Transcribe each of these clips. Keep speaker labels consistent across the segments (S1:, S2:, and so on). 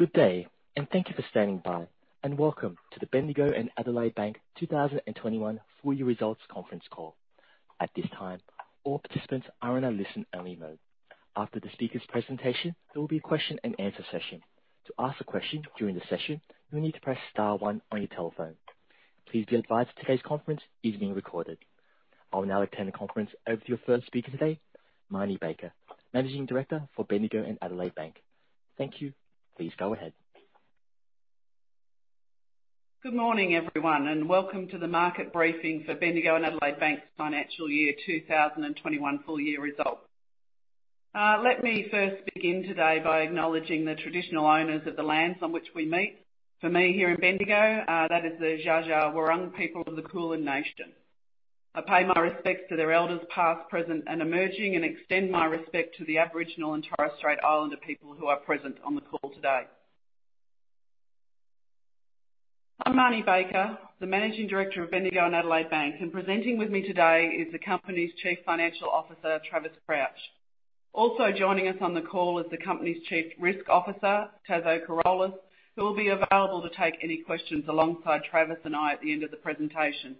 S1: Good day, thank you for standing by, and welcome to the Bendigo and Adelaide Bank 2021 full year results conference call. At this time, all participants are in a listen-only mode. After the speakers' presentation, there will be a question and answer session. To ask a question during the session, you will need to press star one on your telephone. Please be advised today's conference is being recorded. I will now turn the conference over to your first speaker today, Marnie Baker, Managing Director for Bendigo and Adelaide Bank. Thank you. Please go ahead.
S2: Good morning, everyone, welcome to the market briefing for Bendigo and Adelaide Bank's financial year 2021 full year results. Let me first begin today by acknowledging the traditional owners of the lands on which we meet. For me, here in Bendigo, that is the Dja Dja Wurrung people of the Kulin Nation. I pay my respects to their elders past, present, and emerging, and extend my respect to the Aboriginal and Torres Strait Islander people who are present on the call today. I'm Marnie Baker, the Managing Director of Bendigo and Adelaide Bank, and presenting with me today is the company's Chief Financial Officer, Travis Crouch. Also joining us on the call is the company's Chief Risk Officer, Taso Corolis, who will be available to take any questions alongside Travis and I at the end of the presentation.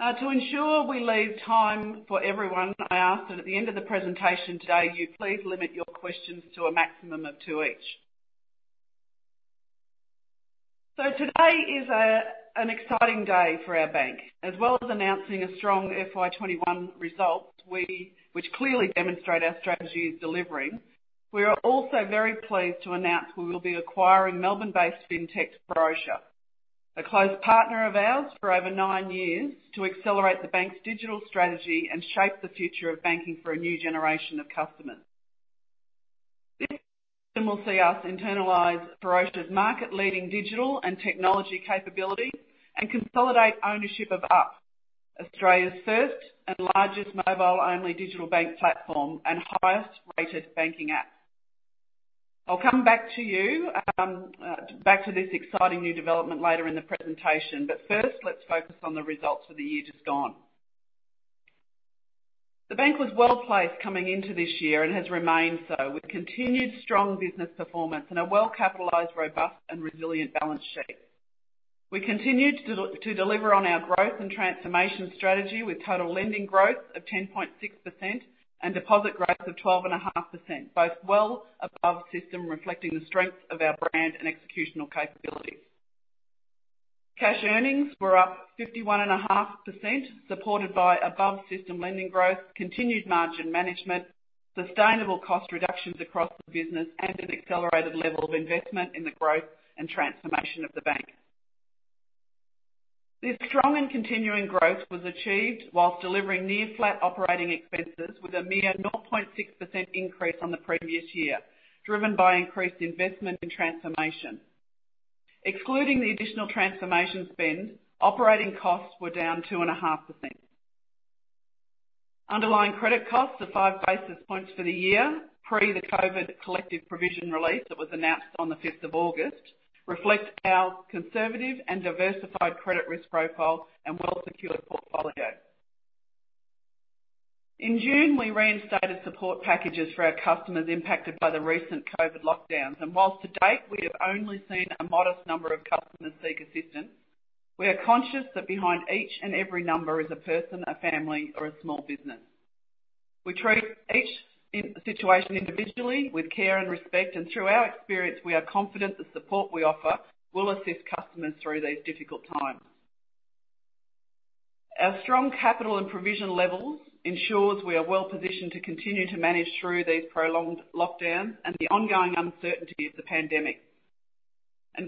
S2: To ensure we leave time for everyone, I ask that at the end of the presentation today, you please limit your questions to a maximum of two each. Today is an exciting day for our bank. As well as announcing a strong FY 2021 result, which clearly demonstrate our strategy is delivering. We are also very pleased to announce we will be acquiring Melbourne-based fintech, Ferocia, a close partner of ours for over nine years, to accelerate the bank's digital strategy and shape the future of banking for a new generation of customers. This will see us internalize Ferocia's market-leading digital and technology capability and consolidate ownership of Up, Australia's first and largest mobile-only digital bank platform and highest rated banking app. I'll come back to this exciting new development later in the presentation, first, let's focus on the results for the year just gone. The bank was well-placed coming into this year and has remained so, with continued strong business performance and a well-capitalized, robust, and resilient balance sheet. We continued to deliver on our growth and transformation strategy with total lending growth of 10.6% and deposit growth of 12.5%, both well above system, reflecting the strengths of our brand and executional capabilities. Cash earnings were up 51.5%, supported by above-system lending growth, continued margin management, sustainable cost reductions across the business, and an accelerated level of investment in the growth and transformation of the bank. This strong and continuing growth was achieved whilst delivering near flat operating expenses with a mere 0.6% increase on the previous year, driven by increased investment in transformation. Excluding the additional transformation spend, operating costs were down 2.5%. Underlying credit costs of 5 basis points for the year, pre the COVID collective provision release that was announced on the 5th of August, reflect our conservative and diversified credit risk profile and well-secured portfolio. Whilst to date, we have only seen a modest number of customers seek assistance, we are conscious that behind each and every number is a person, a family, or a small business. We treat each situation individually with care and respect, and through our experience, we are confident the support we offer will assist customers through these difficult times. Our strong capital and provision levels ensures we are well-positioned to continue to manage through these prolonged lockdowns and the ongoing uncertainty of the pandemic.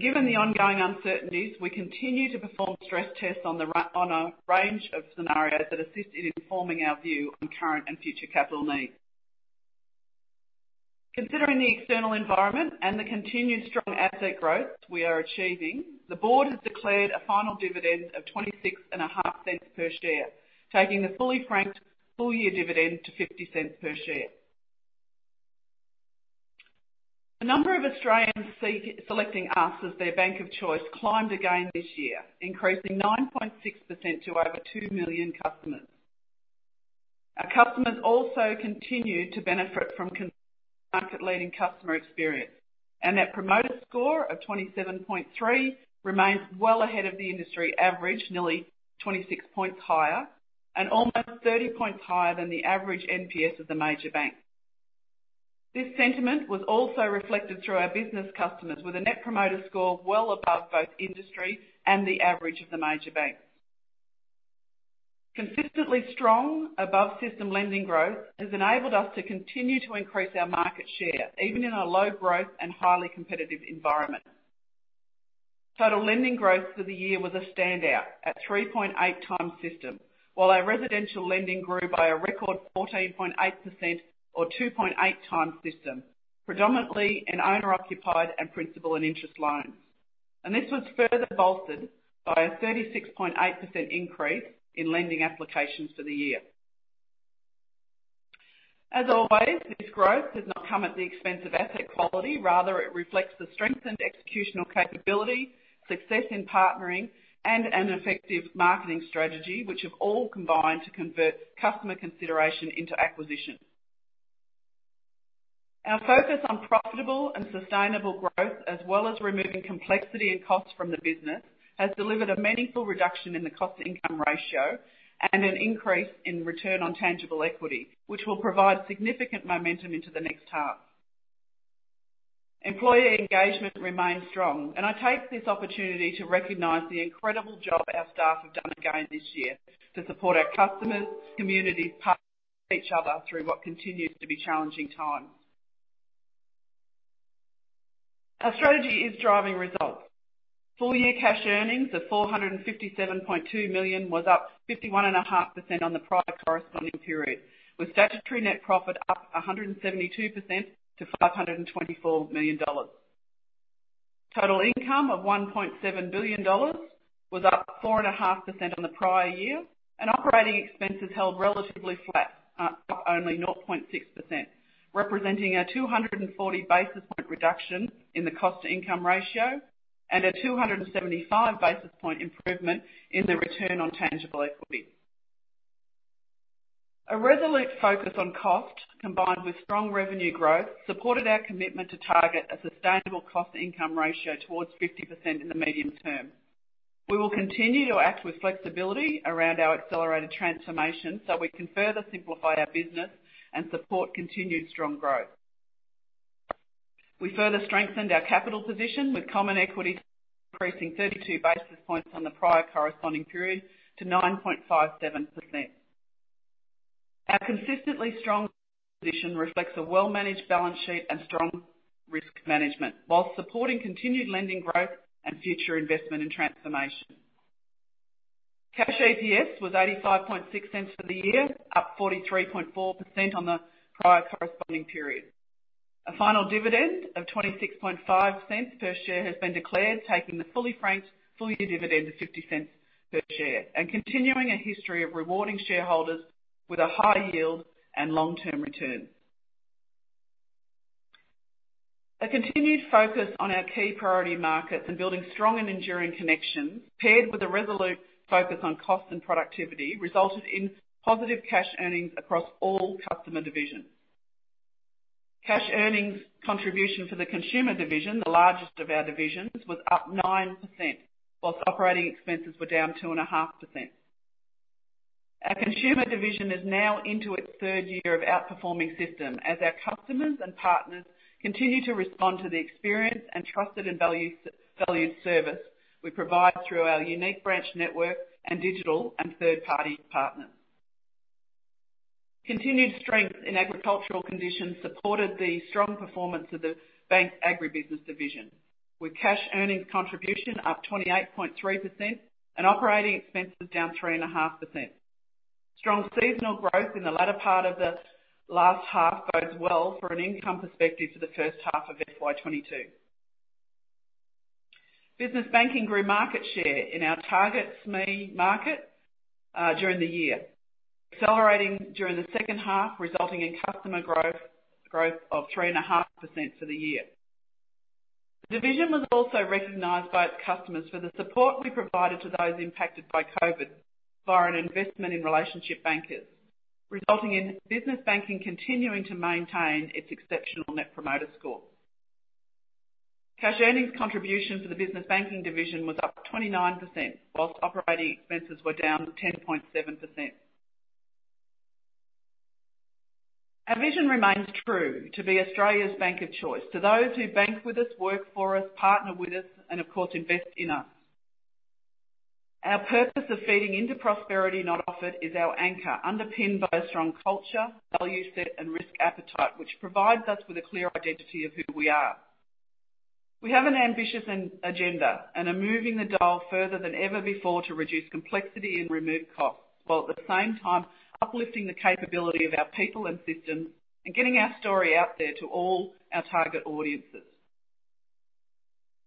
S2: Given the ongoing uncertainties, we continue to perform stress tests on a range of scenarios that assist in informing our view on current and future capital needs. Considering the external environment and the continued strong asset growth we are achieving, the board has declared a final dividend of 0.265 per share, taking the fully franked full-year dividend to 0.50 per share. The number of Australians selecting us as their bank of choice climbed again this year, increasing 9.6% to over 2 million customers. Our customers also continued to benefit from market-leading customer experience, and that promoter score of 27.3 remains well ahead of the industry average, nearly 26 points higher and almost 30 points higher than the average NPS of the major banks. This sentiment was also reflected through our business customers, with a net promoter score well above both industry and the average of the major banks. Consistently strong above-system lending growth has enabled us to continue to increase our market share, even in a low growth and highly competitive environment. Total lending growth for the year was a standout at 3.8x system, while our residential lending grew by a record 14.8% or 2.8x system, predominantly in owner-occupied and principal and interest loans. This was further bolstered by a 36.8% increase in lending applications for the year. As always, this growth has not come at the expense of asset quality. Rather, it reflects the strengthened executional capability, success in partnering, and an effective marketing strategy, which have all combined to convert customer consideration into acquisition. Our focus on profitable and sustainable growth, as well as removing complexity and costs from the business, has delivered a meaningful reduction in the cost-to-income ratio and an increase in return on tangible equity, which will provide significant momentum into the next half. Employee engagement remains strong, and I take this opportunity to recognize the incredible job our staff have done again this year to support our customers, communities, partners, and each other through what continues to be challenging times. Our strategy is driving results. Full-year cash earnings of 457.2 million was up 51.5% on the prior corresponding period, with statutory net profit up 172% to 524 million dollars. Total income of 1.7 billion dollars was up 4.5% on the prior year, and operating expenses held relatively flat, up only 0.6%, representing a 240-basis point reduction in the cost-to-income ratio and a 275-basis point improvement in the return on tangible equity. A resolute focus on cost, combined with strong revenue growth, supported our commitment to target a sustainable cost-to-income ratio towards 50% in the medium term. We will continue to act with flexibility around our accelerated transformation so we can further simplify our business and support continued strong growth. We further strengthened our capital position, with common equity increasing 32 basis points on the prior corresponding period to 9.57%. Our consistently strong position reflects a well-managed balance sheet and strong risk management, whilst supporting continued lending growth and future investment and transformation. Cash EPS was 0.856 for the year, up 43.4% on the prior corresponding period. A final dividend of 0.265 per share has been declared, taking the fully franked full-year dividend to 0.50 per share and continuing a history of rewarding shareholders with a high yield and long-term return. A continued focus on our key priority markets and building strong and enduring connections, paired with a resolute focus on cost and productivity, resulted in positive cash earnings across all customer divisions. Cash earnings contribution for the consumer division, the largest of our divisions, was up 9%, while operating expenses were down 2.5%. Our consumer division is now into its third year of outperforming system, as our customers and partners continue to respond to the experience and trusted and valued service we provide through our unique branch network and digital and third-party partners. Continued strength in agricultural conditions supported the strong performance of the bank's agribusiness division, with cash earnings contribution up 28.3% and operating expenses down 3.5%. Strong seasonal growth in the latter part of the last half bodes well for an income perspective for the first half of FY 2022. Business banking grew market share in our target SME market during the year, accelerating during the second half, resulting in customer growth of 3.5% for the year. The division was also recognized by its customers for the support we provided to those impacted by COVID via an investment in relationship bankers, resulting in business banking continuing to maintain its exceptional net promoter score. Cash earnings contribution for the business banking division was up 29%, whilst operating expenses were down 10.7%. Our vision remains true, to be Australia's bank of choice to those who bank with us, work for us, partner with us, and of course, invest in us. Our purpose of feeding into prosperity, not off it, is our anchor, underpinned by a strong culture, value set, and risk appetite, which provides us with a clear identity of who we are. We have an ambitious agenda and are moving the dial further than ever before to reduce complexity and remove costs, while at the same time uplifting the capability of our people and systems and getting our story out there to all our target audiences.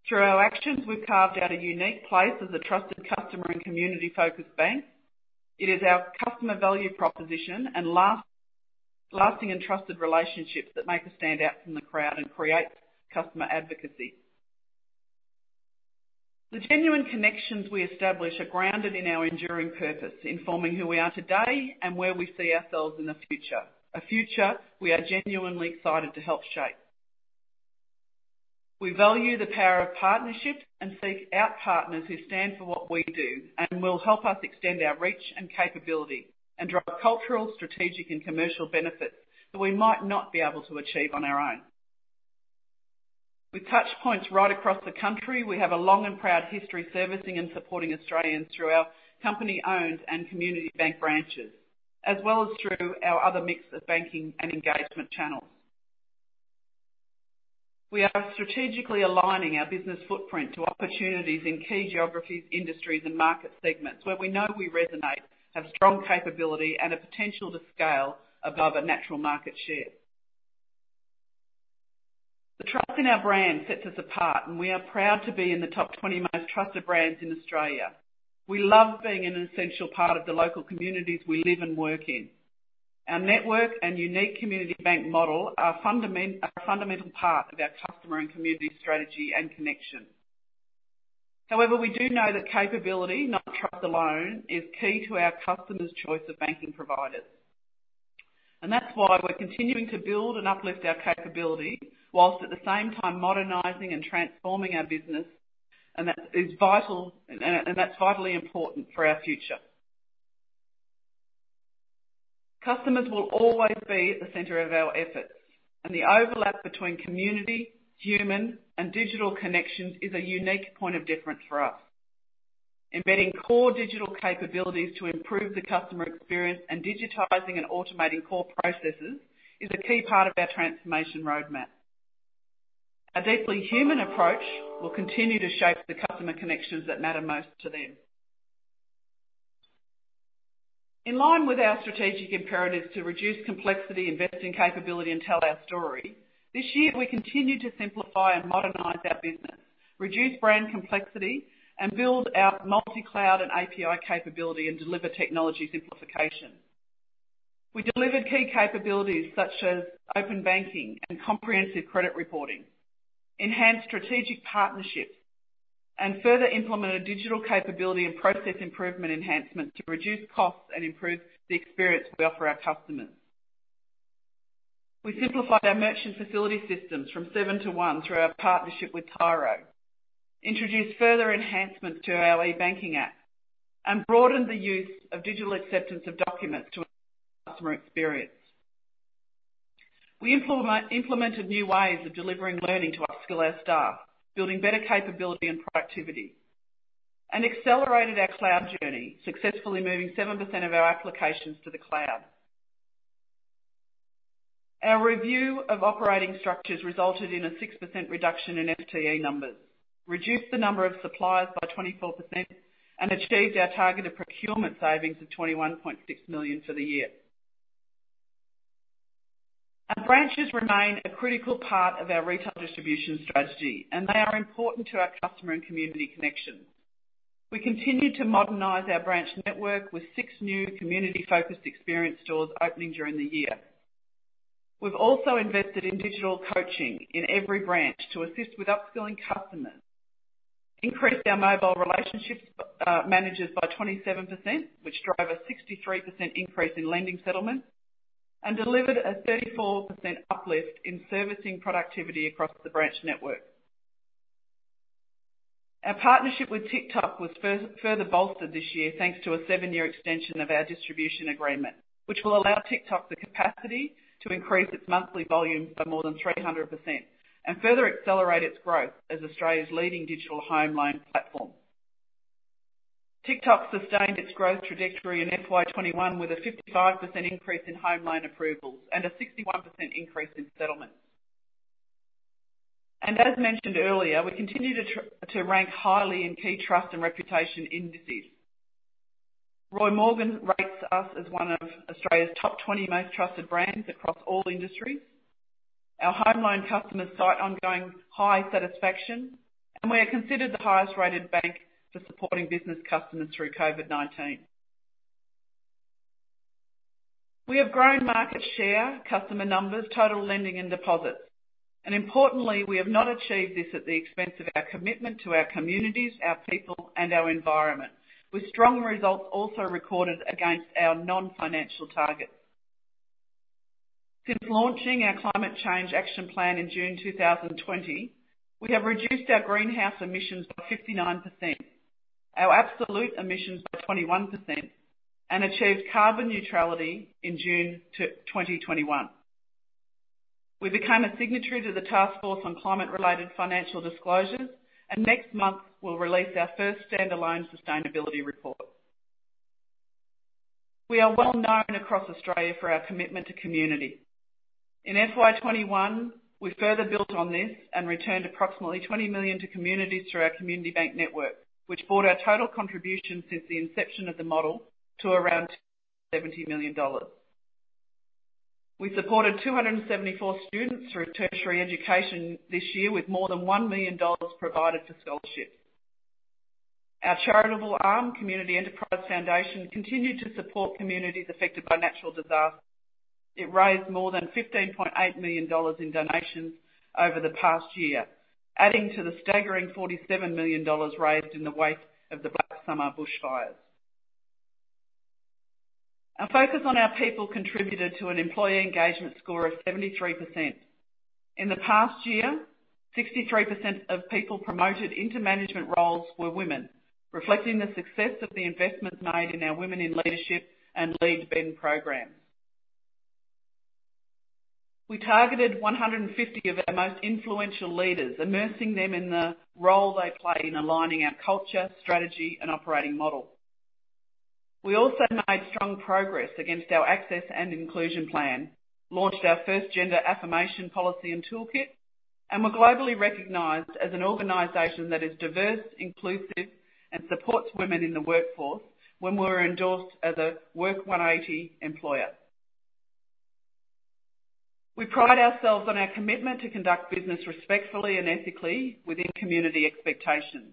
S2: Through our actions, we've carved out a unique place as a trusted customer and community-focused bank. It is our customer value proposition and lasting and trusted relationships that make us stand out from the crowd and create customer advocacy. The genuine connections we establish are grounded in our enduring purpose, informing who we are today and where we see ourselves in the future, a future we are genuinely excited to help shape. We value the power of partnership and seek out partners who stand for what we do and will help us extend our reach and capability and drive cultural, strategic, and commercial benefits that we might not be able to achieve on our own. With touch points right across the country, we have a long and proud history of servicing and supporting Australians through our company-owned and Community Bank branches, as well as through our other mix of banking and engagement channels. We are strategically aligning our business footprint to opportunities in key geographies, industries, and market segments where we know we resonate, have strong capability, and a potential to scale above a natural market share. The trust in our brand sets us apart, and we are proud to be in the top 20 most trusted brands in Australia. We love being an essential part of the local communities we live and work in. Our network and unique Community Bank model are a fundamental part of our customer and community strategy and connection. However, we do know that capability, not trust alone, is key to our customers' choice of banking providers. That's why we're continuing to build and uplift our capability whilst at the same time modernizing and transforming our business, and that's vitally important for our future. Customers will always be at the center of our efforts, and the overlap between community, human, and digital connections is a unique point of difference for us. Embedding core digital capabilities to improve the customer experience and digitizing and automating core processes is a key part of our transformation roadmap. A deeply human approach will continue to shape the customer connections that matter most to them. In line with our strategic imperatives to reduce complexity, invest in capability, and tell our story, this year, we continued to simplify and modernize our business, reduce brand complexity, and build our multi-cloud and API capability and deliver technology simplification. We delivered key capabilities such as Open Banking and Comprehensive Credit Reporting, enhanced strategic partnerships, and further implemented digital capability and process improvement enhancements to reduce costs and improve the experience we offer our customers. We simplified our merchant facility systems from seven to one through our partnership with Tyro, introduced further enhancements to our eBanking app, and broadened the use of digital acceptance of documents to enhance customer experience. We implemented new ways of delivering learning to upskill our staff, building better capability and productivity, and accelerated our cloud journey, successfully moving 7% of our applications to the cloud. Our review of operating structures resulted in a 6% reduction in FTE numbers, reduced the number of suppliers by 24%, and achieved our targeted procurement savings of 21.6 million for the year. Our branches remain a critical part of our retail distribution strategy, and they are important to our customer and community connections. We continue to modernize our branch network with six new community-focused experience stores opening during the year. We've also invested in digital coaching in every branch to assist with upskilling customers, increased our mobile relationships managers by 27%, which drove a 63% increase in lending settlements, and delivered a 34% uplift in servicing productivity across the branch network. Our partnership with Tic:Toc was further bolstered this year, thanks to a seven-year extension of our distribution agreement, which will allow Tic:Toc the capacity to increase its monthly volume by more than 300% and further accelerate its growth as Australia's leading digital home loan platform. Tic:Toc sustained its growth trajectory in FY 2021 with a 55% increase in home loan approvals and a 61% increase in settlements. As mentioned earlier, we continue to rank highly in key trust and reputation indices. Roy Morgan rates us as one of Australia's top 20 most trusted brands across all industries. Our home loan customers cite ongoing high satisfaction, and we are considered the highest-rated bank for supporting business customers through COVID-19. We have grown market share, customer numbers, total lending, and deposits. Importantly, we have not achieved this at the expense of our commitment to our communities, our people, and our environment, with strong results also recorded against our non-financial targets. Since launching our Climate Change Action Plan in June 2020, we have reduced our greenhouse emissions by 59%, our absolute emissions by 21%, and achieved carbon neutrality in June 2021. Next month, we'll release our first stand-alone sustainability report. We are well-known across Australia for our commitment to community. In FY 2021, we further built on this and returned approximately 20 million to communities through our Community Bank network, which brought our total contribution since the inception of the model to around 70 million dollars. We supported 274 students through tertiary education this year with more than 1 million dollars provided for scholarships. Our charitable arm, Community Enterprise Foundation, continued to support communities affected by natural disaster. It raised more than 15.8 million dollars in donations over the past year, adding to the staggering 47 million dollars raised in the wake of the Black Summer bushfires. Our focus on our people contributed to an employee engagement score of 73%. In the past year, 63% of people promoted into management roles were women, reflecting the success of the investments made in our Women in Leadership and Lead BEN programs. We targeted 150 of our most influential leaders, immersing them in the role they play in aligning our culture, strategy, and operating model. We also made strong progress against our access and inclusion plan, launched our first gender affirmation policy and toolkit, and were globally recognized as an organization that is diverse, inclusive, and supports women in the workforce when we were endorsed as a WORK180 employer. We pride ourselves on our commitment to conduct business respectfully and ethically within community expectations.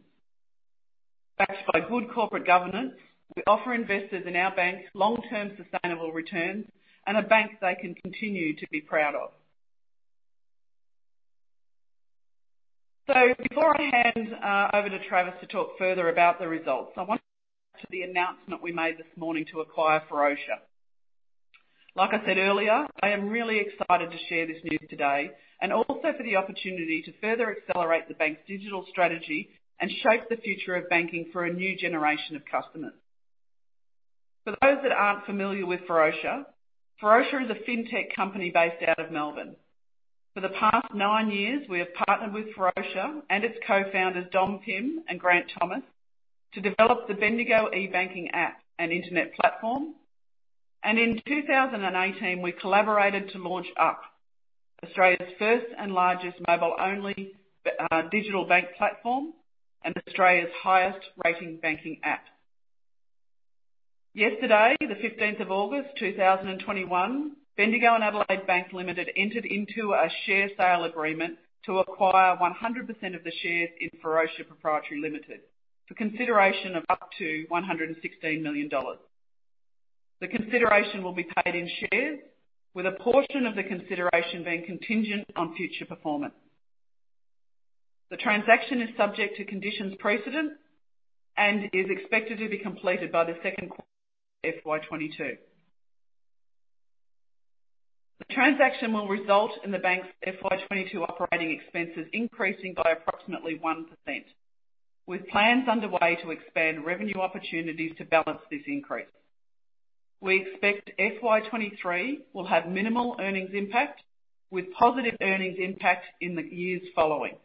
S2: Backed by good corporate governance, we offer investors in our banks long-term sustainable returns and a bank they can continue to be proud of. Before I hand over to Travis to talk further about the results, I want to the announcement we made this morning to acquire Ferocia. Like I said earlier, I am really excited to share this news today and also for the opportunity to further accelerate the bank's digital strategy and shape the future of banking for a new generation of customers. For those that aren't familiar with Ferocia is a fintech company based out of Melbourne. For the past nine years, we have partnered with Ferocia and its co-founders, Dom Pym and Grant Thomas, to develop the Bendigo e-banking app and internet platform. In 2018, we collaborated to launch Up, Australia's first and largest mobile-only digital bank platform and Australia's highest-rated banking app. Yesterday, the 15th of August 2021, Bendigo and Adelaide Bank Limited entered into a share sale agreement to acquire 100% of the shares in Ferocia Proprietary Limited for consideration of up to 116 million dollars. The consideration will be paid in shares, with a portion of the consideration being contingent on future performance. The transaction is subject to conditions precedent and is expected to be completed by the second FY 2022. The transaction will result in the bank's FY 2022 operating expenses increasing by approximately 1%, with plans underway to expand revenue opportunities to balance this increase. We expect FY 2023 will have minimal earnings impact, with positive earnings impact in the years following.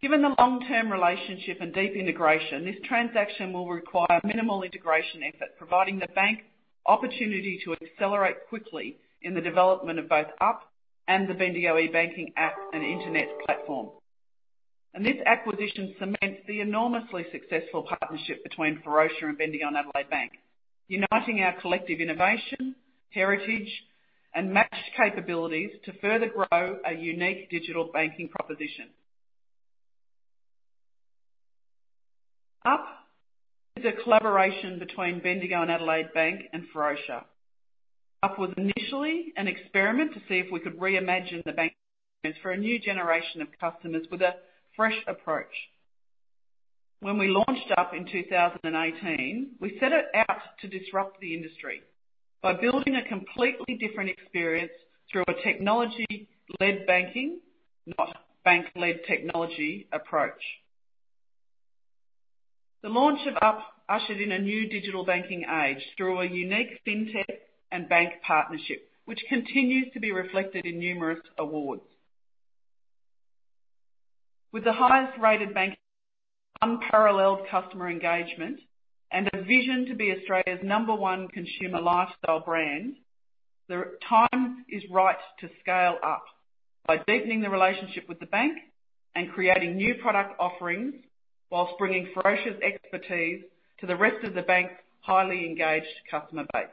S2: Given the long-term relationship and deep integration, this transaction will require minimal integration effort, providing the bank opportunity to accelerate quickly in the development of both Up and the Bendigo e-banking app and internet platform. This acquisition cements the enormously successful partnership between Ferocia and Bendigo and Adelaide Bank, uniting our collective innovation, heritage, and matched capabilities to further grow a unique digital banking proposition. Up is a collaboration between Bendigo and Adelaide Bank and Ferocia. Up was initially an experiment to see if we could reimagine the banking experience for a new generation of customers with a fresh approach. When we launched Up in 2018, we set it out to disrupt the industry by building a completely different experience through a technology-led banking, not bank-led technology approach. The launch of Up ushered in a new digital banking age through a unique fintech and Bank partnership, which continues to be reflected in numerous awards. With the highest rated bank, unparalleled customer engagement, and a vision to be Australia's number one consumer lifestyle brand, the time is right to scale Up by deepening the relationship with the Bank and creating new product offerings whilst bringing Ferocia's expertise to the rest of the Bank's highly engaged customer base.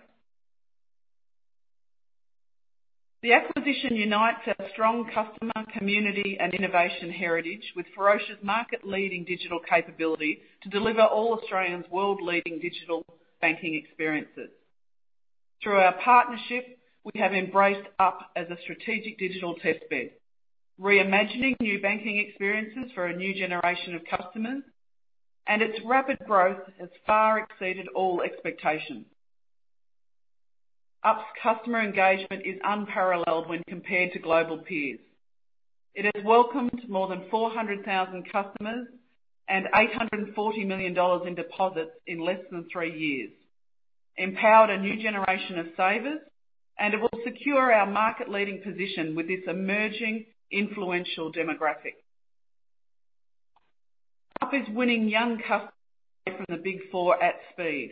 S2: The acquisition unites our strong customer community and innovation heritage with Ferocia's market-leading digital capability to deliver all Australians world-leading digital banking experiences. Through our partnership, we have embraced Up as a strategic digital test bed, reimagining new banking experiences for a new generation of customers, and its rapid growth has far exceeded all expectations. Up's customer engagement is unparalleled when compared to global peers. It has welcomed more than 400,000 customers and 840 million dollars in deposits in less than three years, empowered a new generation of savers, and it will secure our market-leading position with this emerging influential demographic. Up is winning young customers from the Big Four at speed.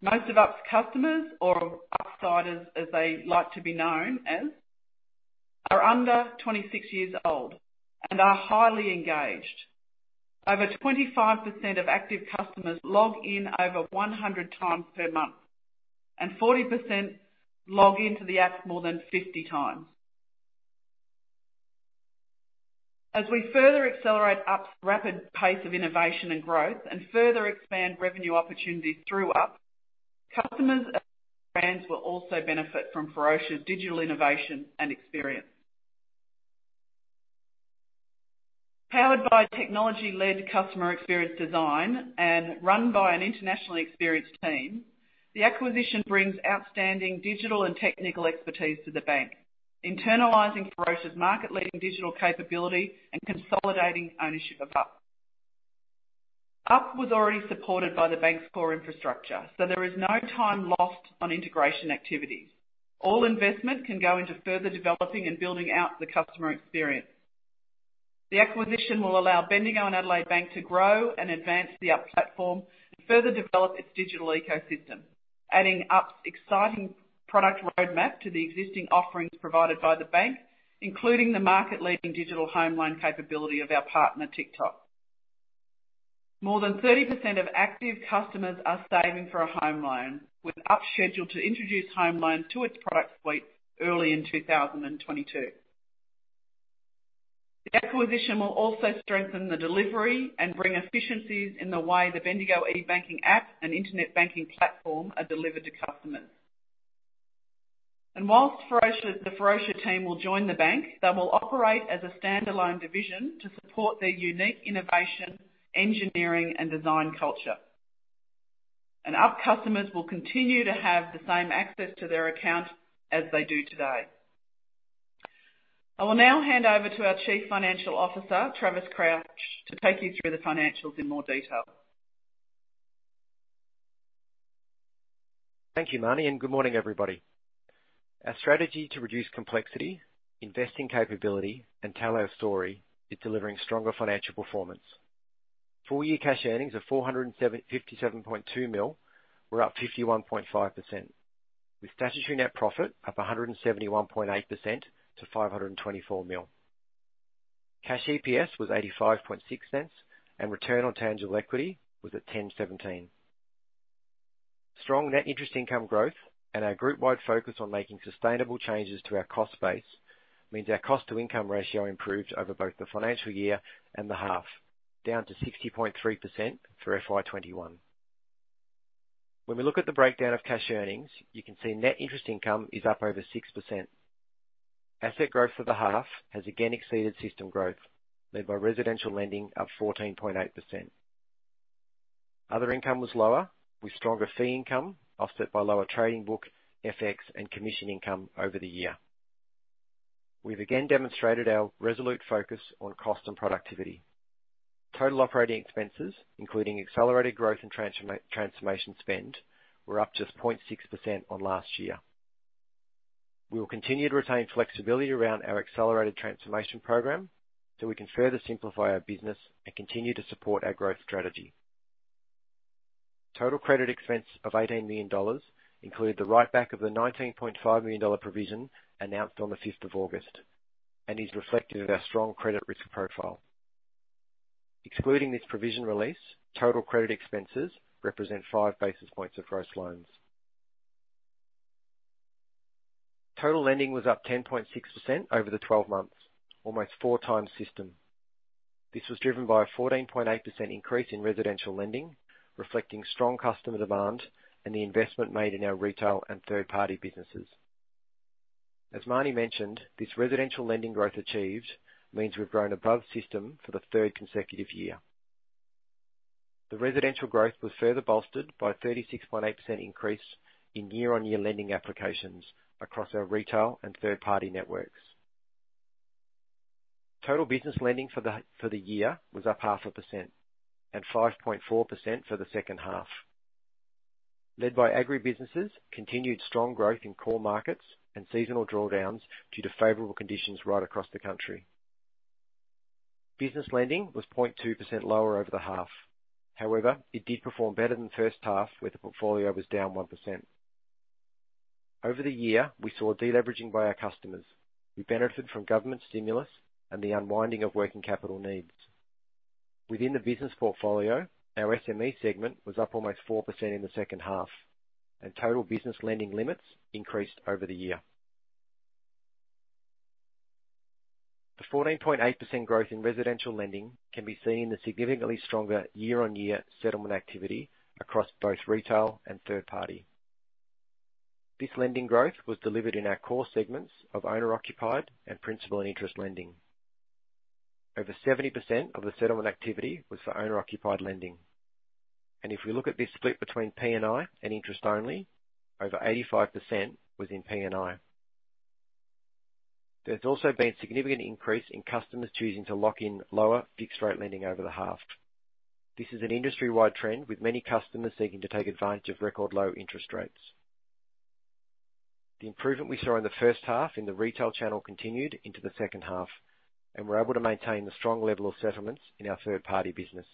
S2: Most of Up's customers or Upsiders, as they like to be known as, are under 26 years old and are highly engaged. Over 25% of active customers log in over 100 times per month, and 40% log into the app more than 50 times. As we further accelerate Up's rapid pace of innovation and growth and further expand revenue opportunities through Up, customers brands will also benefit from Ferocia's digital innovation and experience. Powered by technology-led customer experience design and run by an internationally experienced team, the acquisition brings outstanding digital and technical expertise to the bank, internalizing Ferocia's market-leading digital capability and consolidating ownership of Up. Up was already supported by the bank's core infrastructure, so there is no time lost on integration activities. All investment can go into further developing and building out the customer experience. The acquisition will allow Bendigo and Adelaide Bank to grow and advance the Up platform and further develop its digital ecosystem, adding Up's exciting product roadmap to the existing offerings provided by the bank, including the market-leading digital home loan capability of our partner Tic:Toc. More than 30% of active customers are saving for a home loan, with Up scheduled to introduce home loans to its product suite early in 2022. The acquisition will also strengthen the delivery and bring efficiencies in the way the Bendigo e-banking app and internet banking platform are delivered to customers. Whilst the Ferocia team will join the bank, they will operate as a standalone division to support their unique innovation, engineering, and design culture. Our customers will continue to have the same access to their account as they do today. I will now hand over to our Chief Financial Officer, Travis Crouch, to take you through the financials in more detail.
S3: Thank you, Marnie, and good morning, everybody. Our strategy to reduce complexity, invest in capability, and tell our story is delivering stronger financial performance. Full-year cash earnings of 457.2 million were up 51.5%, with statutory net profit up 171.8% to 524 million. Cash EPS was 0.856, and return on tangible equity was at 10.17%. Strong net interest income growth and our group-wide focus on making sustainable changes to our cost base means our cost-to-income ratio improved over both the financial year and the half, down to 60.3% for FY 2021. When we look at the breakdown of cash earnings, you can see net interest income is up over 6%. Asset growth for the half has again exceeded system growth, led by residential lending up 14.8%. Other income was lower, with stronger fee income offset by lower trading book, FX, and commission income over the year. We've again demonstrated our resolute focus on cost and productivity. Total operating expenses, including accelerated growth and transformation spend, were up just 0.6% on last year. We will continue to retain flexibility around our accelerated transformation program so we can further simplify our business and continue to support our growth strategy. Total credit expense of 18 million dollars included the write-back of the 19.5 million dollar provision announced on the 5th of August and is reflective of our strong credit risk profile. Excluding this provision release, total credit expenses represent 5 basis points of gross loans. Total lending was up 10.6% over the 12 months, almost 4x system. This was driven by a 14.8% increase in residential lending, reflecting strong customer demand and the investment made in our retail and third-party businesses. As Marnie mentioned, this residential lending growth achieved means we've grown above system for the third consecutive year. The residential growth was further bolstered by a 36.8% increase in year-on-year lending applications across our retail and third-party networks. Total business lending for the year was up 0.5% and 5.4% for the second half, led by agribusinesses, continued strong growth in core markets, and seasonal drawdowns due to favorable conditions right across the country. Business lending was 0.2% lower over the half. However, it did perform better than the first half, where the portfolio was down 1%. Over the year, we saw deleveraging by our customers, who benefited from government stimulus and the unwinding of working capital needs. Within the business portfolio, our SME segment was up almost 4% in the second half, and total business lending limits increased over the year. The 14.8% growth in residential lending can be seen in the significantly stronger year-on-year settlement activity across both retail and third party. This lending growth was delivered in our core segments of owner-occupied and principal and interest lending. Over 70% of the settlement activity was for owner-occupied lending. If we look at this split between P&I and interest only, over 85% was in P&I. There's also been a significant increase in customers choosing to lock in lower fixed rate lending over the half. This is an industry-wide trend, with many customers seeking to take advantage of record low interest rates. The improvement we saw in the first half in the retail channel continued into the second half, and we're able to maintain the strong level of settlements in our third-party business.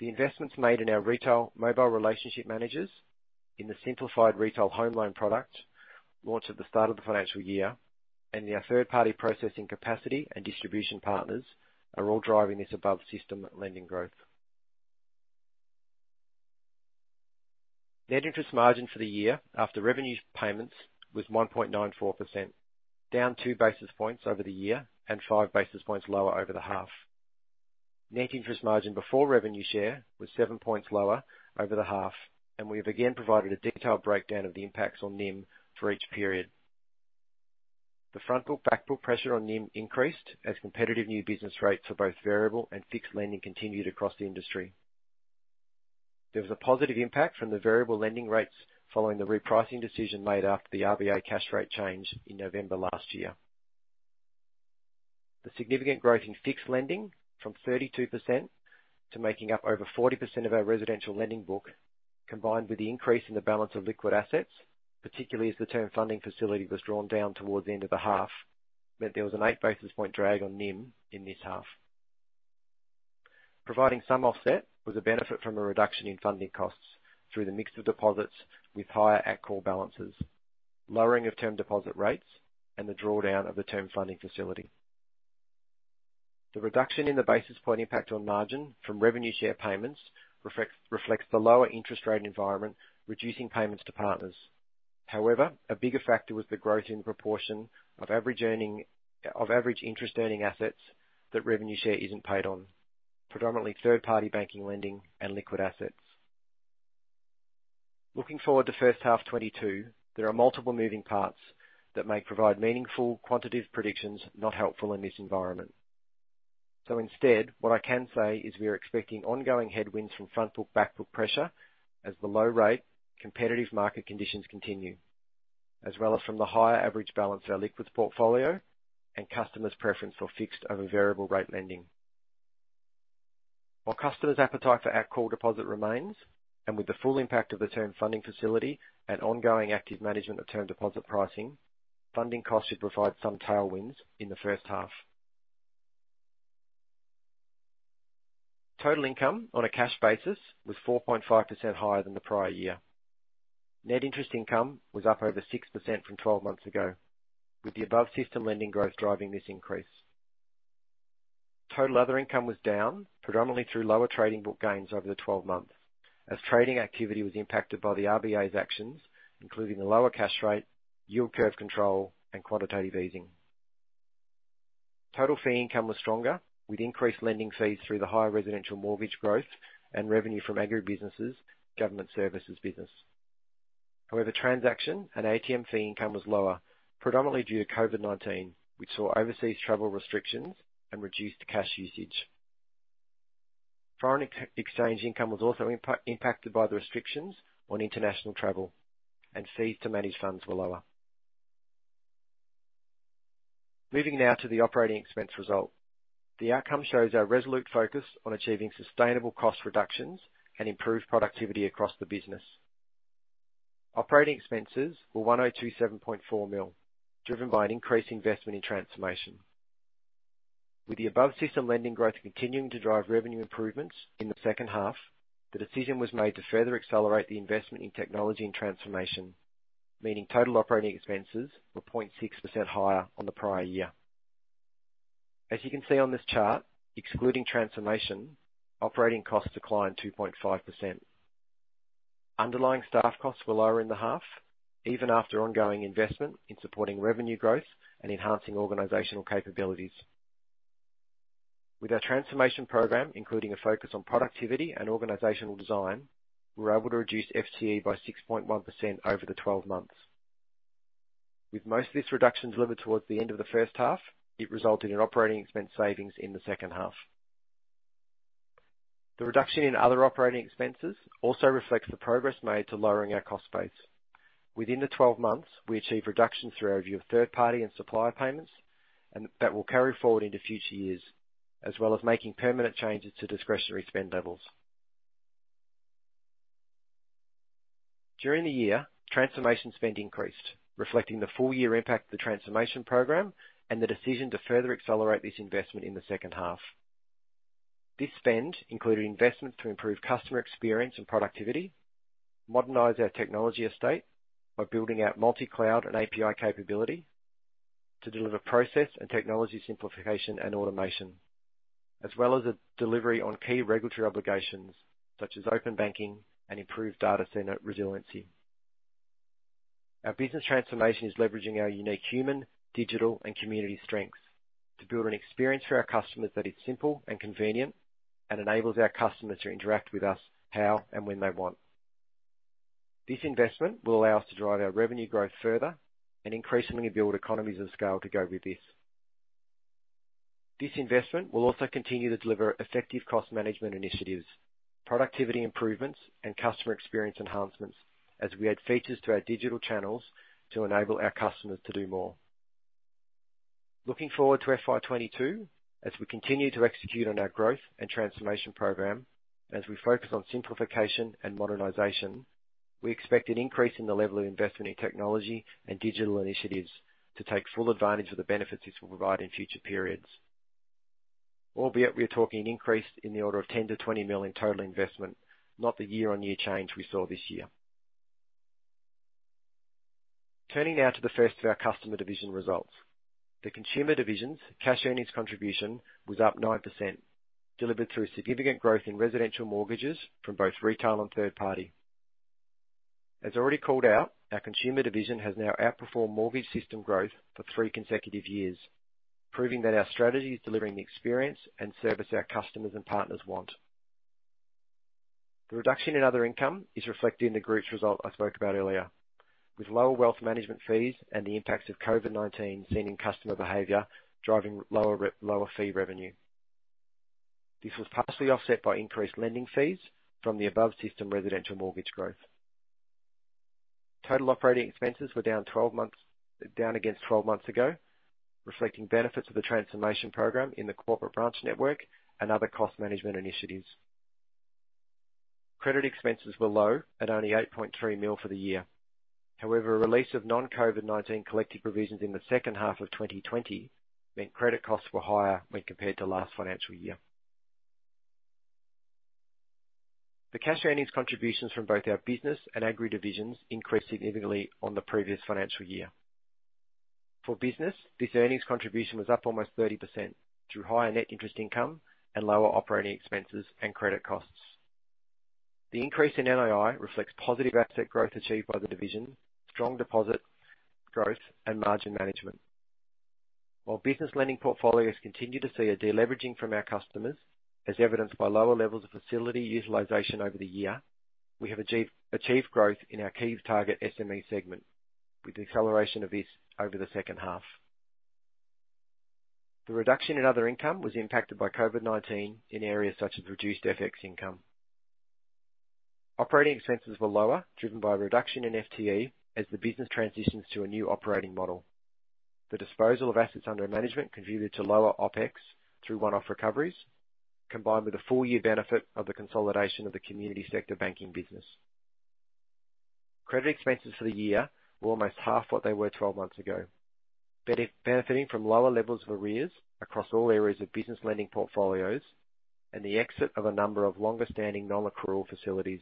S3: The investments made in our retail mobile relationship managers, in the simplified retail home loan product launched at the start of the financial year, and our third-party processing capacity and distribution partners are all driving this above-system lending growth. Net interest margin for the year after revenue payments was 1.94%, down 2 basis points over the year and 5 basis points lower over the half. Net interest margin before revenue share was 7 points lower over the half, and we've again provided a detailed breakdown of the impacts on NIM for each period. The front-book/back-book pressure on NIM increased as competitive new business rates for both variable and fixed lending continued across the industry. There was a positive impact from the variable lending rates following the repricing decision made after the RBA cash rate change in November last year. The significant growth in fixed lending from 32% to making up over 40% of our residential lending book, combined with the increase in the balance of liquid assets, particularly as the Term Funding Facility was drawn down towards the end of the half, meant there was an 8-basis point drag on NIM in this half. Providing some offset was a benefit from a reduction in funding costs through the mix of deposits with higher at-call balances, lowering of term deposit rates, and the drawdown of the Term Funding Facility. The reduction in the basis point impact on margin from revenue share payments reflects the lower interest rate environment, reducing payments to partners. However, a bigger factor was the growth in proportion of average interest earning assets that revenue share isn't paid on, predominantly third-party banking, lending, and liquid assets. Looking forward to first half 2022, there are multiple moving parts that may provide meaningful quantitative predictions not helpful in this environment. Instead, what I can say is we are expecting ongoing headwinds from front book, back book pressure as the low rate competitive market conditions continue, as well as from the higher average balance our liquids portfolio and customers' preference for fixed over variable rate lending. While customers' appetite for at call deposit remains, and with the full impact of the Term Funding Facility and ongoing active management of term deposit pricing, funding costs should provide some tailwinds in the first half. Total income on a cash basis was 4.5% higher than the prior year. Net interest income was up over 6% from 12 months ago, with the above system lending growth driving this increase. Total other income was down predominantly through lower trading book gains over the 12 months, as trading activity was impacted by the RBA's actions, including the lower cash rate, yield curve control, and quantitative easing. Total fee income was stronger with increased lending fees through the higher residential mortgage growth and revenue from agribusinesses government services business. However, transaction and ATM fee income was lower, predominantly due to COVID-19, which saw overseas travel restrictions and reduced cash usage. Foreign exchange income was also impacted by the restrictions on international travel, and fees to managed funds were lower. Moving now to the operating expense result. The outcome shows our resolute focus on achieving sustainable cost reductions and improved productivity across the business. Operating expenses were 1,027.4 million, driven by an increased investment in transformation. With the above system lending growth continuing to drive revenue improvements in the second half, the decision was made to further accelerate the investment in technology and transformation, meaning total operating expenses were 0.6% higher on the prior year. As you can see on this chart, excluding transformation, operating costs declined 2.5%. Underlying staff costs were lower in the half, even after ongoing investment in supporting revenue growth and enhancing organizational capabilities. With our transformation program, including a focus on productivity and organizational design, we were able to reduce FTE by 6.1% over the 12 months. With most of these reductions delivered towards the end of the first half, it resulted in operating expense savings in the second half. The reduction in other operating expenses also reflects the progress made to lowering our cost base. Within the 12 months, we achieved reductions through our review of third-party and supplier payments, and that will carry forward into future years, as well as making permanent changes to discretionary spend levels. During the year, transformation spend increased, reflecting the full-year impact of the transformation program and the decision to further accelerate this investment in the second half. This spend included investments to improve customer experience and productivity, modernize our technology estate by building out multi-cloud and API capability to deliver process and technology simplification and automation, as well as a delivery on key regulatory obligations such as Open Banking and improved data center resiliency. Our business transformation is leveraging our unique human, digital, and community strengths to build an experience for our customers that is simple and convenient and enables our customers to interact with us how and when they want. This investment will allow us to drive our revenue growth further and increasingly build economies of scale to go with this. This investment will also continue to deliver effective cost management initiatives, productivity improvements, and customer experience enhancements as we add features to our digital channels to enable our customers to do more. Looking forward to FY 2022, as we continue to execute on our growth and transformation program, as we focus on simplification and modernization, we expect an increase in the level of investment in technology and digital initiatives to take full advantage of the benefits this will provide in future periods. Albeit we are talking an increase in the order of 10 million-20 million in total investment, not the year-on-year change we saw this year. Turning now to the first of our customer division results. The consumer division's cash earnings contribution was up 9%, delivered through significant growth in residential mortgages from both retail and third party. As already called out, our consumer division has now outperformed mortgage system growth for three consecutive years, proving that our strategy is delivering the experience and service our customers and partners want. The reduction in other income is reflected in the group's result I spoke about earlier. With lower wealth management fees and the impacts of COVID-19 seen in customer behavior driving lower fee revenue. This was partially offset by increased lending fees from the above system residential mortgage growth. Total operating expenses were down against 12 months ago, reflecting benefits of the transformation program in the corporate branch network and other cost management initiatives. Credit expenses were low at only 8.3 million for the year. A release of non-COVID-19 collective provisions in the second half of 2020 meant credit costs were higher when compared to last financial year. The cash earnings contributions from both our business and agri divisions increased significantly on the previous financial year. For business, this earnings contribution was up almost 30%, through higher net interest income and lower operating expenses and credit costs. The increase in NII reflects positive asset growth achieved by the division, strong deposit growth, and margin management. While business lending portfolios continue to see a de-leveraging from our customers, as evidenced by lower levels of facility utilization over the year, we have achieved growth in our key target SME segment, with acceleration of this over the second half. The reduction in other income was impacted by COVID-19 in areas such as reduced FX income. Operating expenses were lower, driven by a reduction in FTE as the business transitions to a new operating model. The disposal of assets under management contributed to lower OpEx through one-off recoveries, combined with the full year benefit of the consolidation of the Community Sector Banking business. Credit expenses for the year were almost half what they were 12 months ago. Benefiting from lower levels of arrears across all areas of business lending portfolios and the exit of a number of longer standing non-accrual facilities,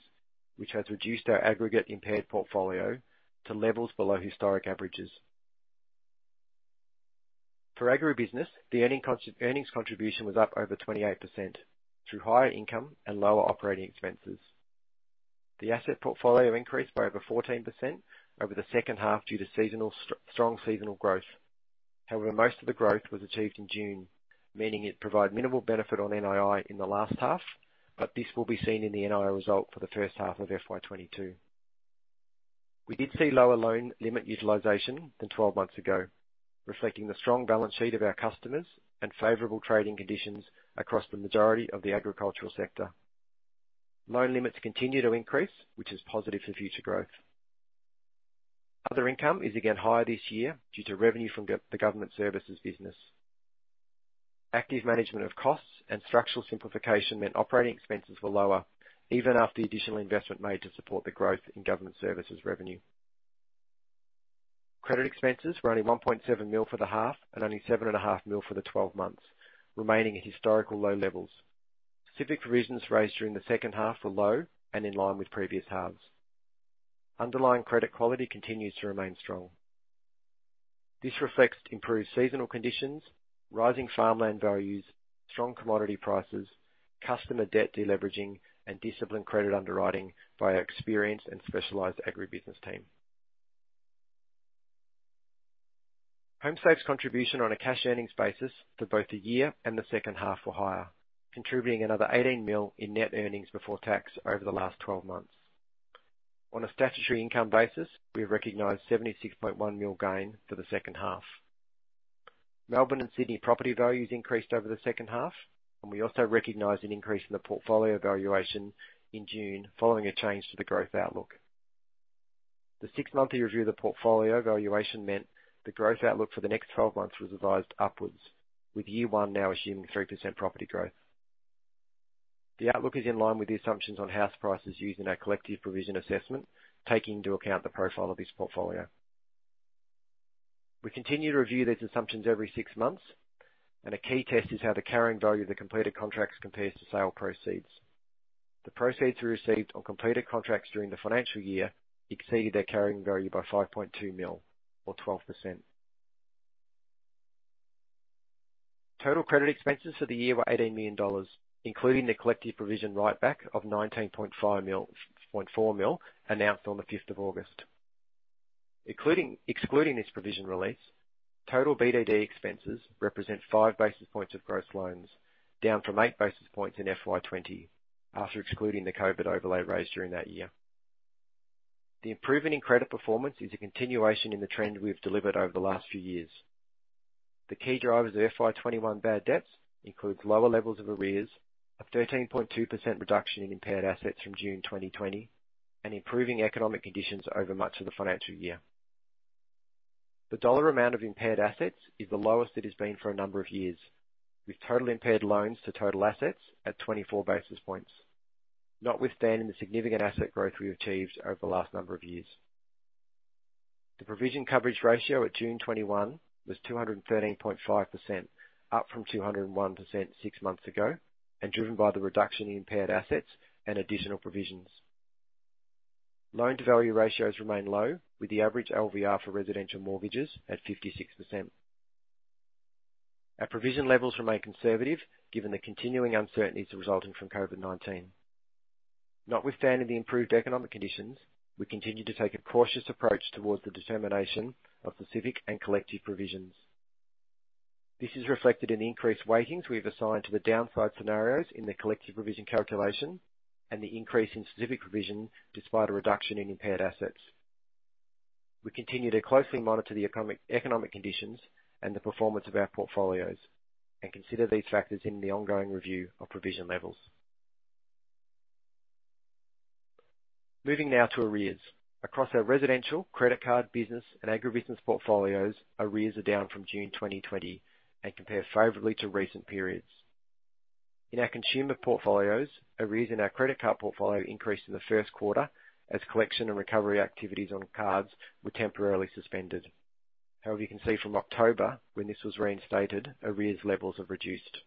S3: which has reduced our aggregate impaired portfolio to levels below historic averages. For agribusiness, the earnings contribution was up over 28%, through higher income and lower operating expenses. The asset portfolio increased by over 14% over the second half due to strong seasonal growth. Most of the growth was achieved in June, meaning it provided minimal benefit on NII in the last half, this will be seen in the NII result for the first half of FY 2022. We did see lower loan limit utilization than 12 months ago, reflecting the strong balance sheet of our customers and favorable trading conditions across the majority of the agricultural sector. Loan limits continue to increase, which is positive for future growth. Other income is again higher this year due to revenue from the government services business. Active management of costs and structural simplification meant operating expenses were lower, even after the additional investment made to support the growth in government services revenue. Credit expenses were only 1.7 million for the half and only 7.5 million for the 12 months, remaining at historical low levels. Specific provisions raised during the second half were low and in line with previous halves. Underlying credit quality continues to remain strong. This reflects improved seasonal conditions, rising farmland values, strong commodity prices, customer debt de-leveraging, and disciplined credit underwriting by our experienced and specialized agribusiness team. Homesafe's contribution on a cash earnings basis for both the year and the second half were higher, contributing another 18 million in net earnings before tax over the last 12 months. On a statutory income basis, we have recognized 76.1 million gain for the second half. Melbourne and Sydney property values increased over the second half, and we also recognized an increase in the portfolio valuation in June following a change to the growth outlook. The six-monthly review of the portfolio valuation meant the growth outlook for the next 12 months was revised upwards, with year one now assuming 3% property growth. The outlook is in line with the assumptions on house prices used in our collective provision assessment, taking into account the profile of this portfolio. We continue to review these assumptions every six months, and a key test is how the carrying value of the completed contracts compares to sale proceeds. The proceeds we received on completed contracts during the financial year exceeded their carrying value by 5.2 million or 12%. Total credit expenses for the year were 18 million dollars, including the collective provision write-back of 19.4 million announced on the 5th of August. Excluding this provision release, total BDD expenses represent 5 basis points of gross loans, down from 8 basis points in FY 2020, after excluding the COVID overlay raised during that year. The improvement in credit performance is a continuation in the trend we've delivered over the last few years. The key drivers of FY 2021 bad debts includes lower levels of arrears of 13.2% reduction in impaired assets from June 2020 and improving economic conditions over much of the financial year. The dollar amount of impaired assets is the lowest it has been for a number of years, with total impaired loans to total assets at 24 basis points. Notwithstanding the significant asset growth we achieved over the last number of years. The provision coverage ratio at June 2021 was 213.5%, up from 201% six months ago, and driven by the reduction in impaired assets and additional provisions. Loan-to-value ratios remain low, with the average LVR for residential mortgages at 56%. Our provision levels remain conservative, given the continuing uncertainties resulting from COVID-19. Notwithstanding the improved economic conditions, we continue to take a cautious approach towards the determination of specific and collective provisions. This is reflected in the increased weightings we've assigned to the downside scenarios in the collective provision calculation and the increase in specific provision despite a reduction in impaired assets. We continue to closely monitor the economic conditions and the performance of our portfolios and consider these factors in the ongoing review of provision levels. Moving now to arrears. Across our residential, credit card, business, and agribusiness portfolios, arrears are down from June 2020 and compare favorably to recent periods. In our consumer portfolios, arrears in our credit card portfolio increased in the first quarter, as collection and recovery activities on cards were temporarily suspended. However, you can see from October, when this was reinstated, arrears levels have reduced.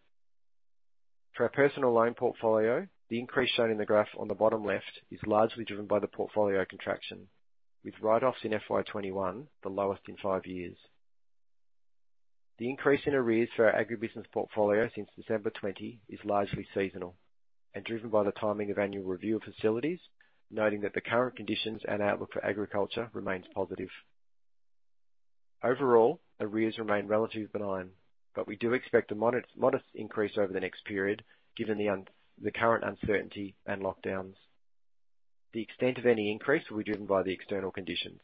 S3: For our personal loan portfolio, the increase shown in the graph on the bottom left is largely driven by the portfolio contraction, with write-offs in FY 2021 the lowest in five years. The increase in arrears for our agribusiness portfolio since December 2020 is largely seasonal and driven by the timing of annual review of facilities, noting that the current conditions and outlook for agriculture remains positive. Overall, arrears remain relatively benign, but we do expect a modest increase over the next period given the current uncertainty and lockdowns. The extent of any increase will be driven by the external conditions.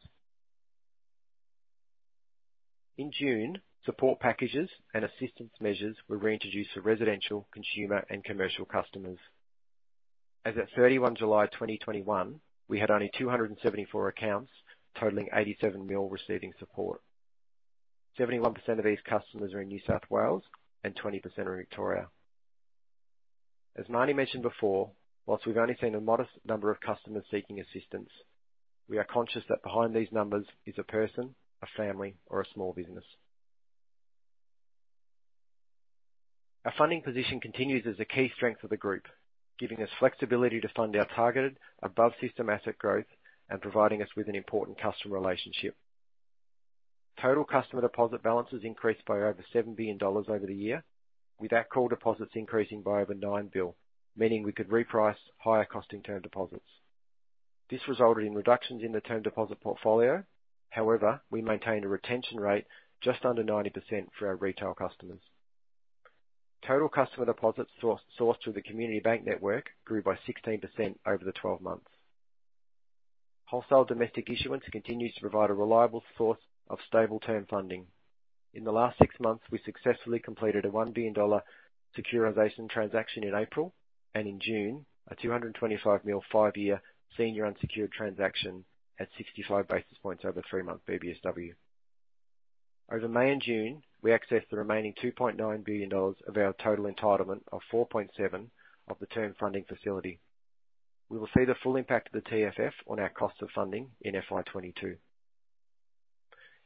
S3: In June, support packages and assistance measures were reintroduced for residential, consumer, and commercial customers. As at 31 July 2021, we had only 274 accounts totaling 87 million receiving support. 71% of these customers are in New South Wales and 20% are in Victoria. As Marnie mentioned before, whilst we've only seen a modest number of customers seeking assistance, we are conscious that behind these numbers is a person, a family, or a small business. Our funding position continues as a key strength of the group, giving us flexibility to fund our targeted above-system asset growth and providing us with an important customer relationship. Total customer deposit balances increased by over 7 billion dollars over the year, with our call deposits increasing by over 9 billion, meaning we could reprice higher costing term deposits. This resulted in reductions in the term deposit portfolio. However, we maintained a retention rate just under 90% for our retail customers. Total customer deposits sourced through the Community Bank network grew by 16% over the 12 months. Wholesale domestic issuance continues to provide a reliable source of stable term funding. In the last six months, we successfully completed a 1 billion dollar securitization transaction in April, and in June, a 225 million five-year senior unsecured transaction at 65 basis points over three-month BBSW. Over May and June, we accessed the remaining 2.9 billion dollars of our total entitlement of 4.7 billion of the Term Funding Facility. We will see the full impact of the TFF on our cost of funding in FY 2022.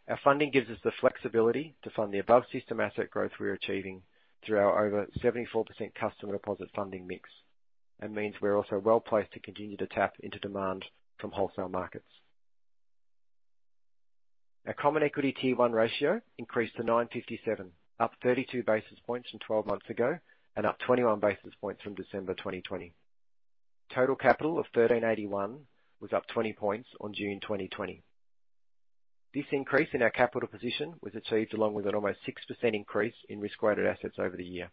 S3: Our funding gives us the flexibility to fund the above system asset growth we're achieving through our over 74% customer deposit funding mix, and means we're also well-placed to continue to tap into demand from wholesale markets. Our Common Equity Tier 1 ratio increased to 9.57%, up 32 basis points from 12 months ago and up 21 basis points from December 2020. Total capital of 13.81% was up 20 basis points on June 2020. This increase in our capital position was achieved along with an almost 6% increase in risk-weighted assets over the year.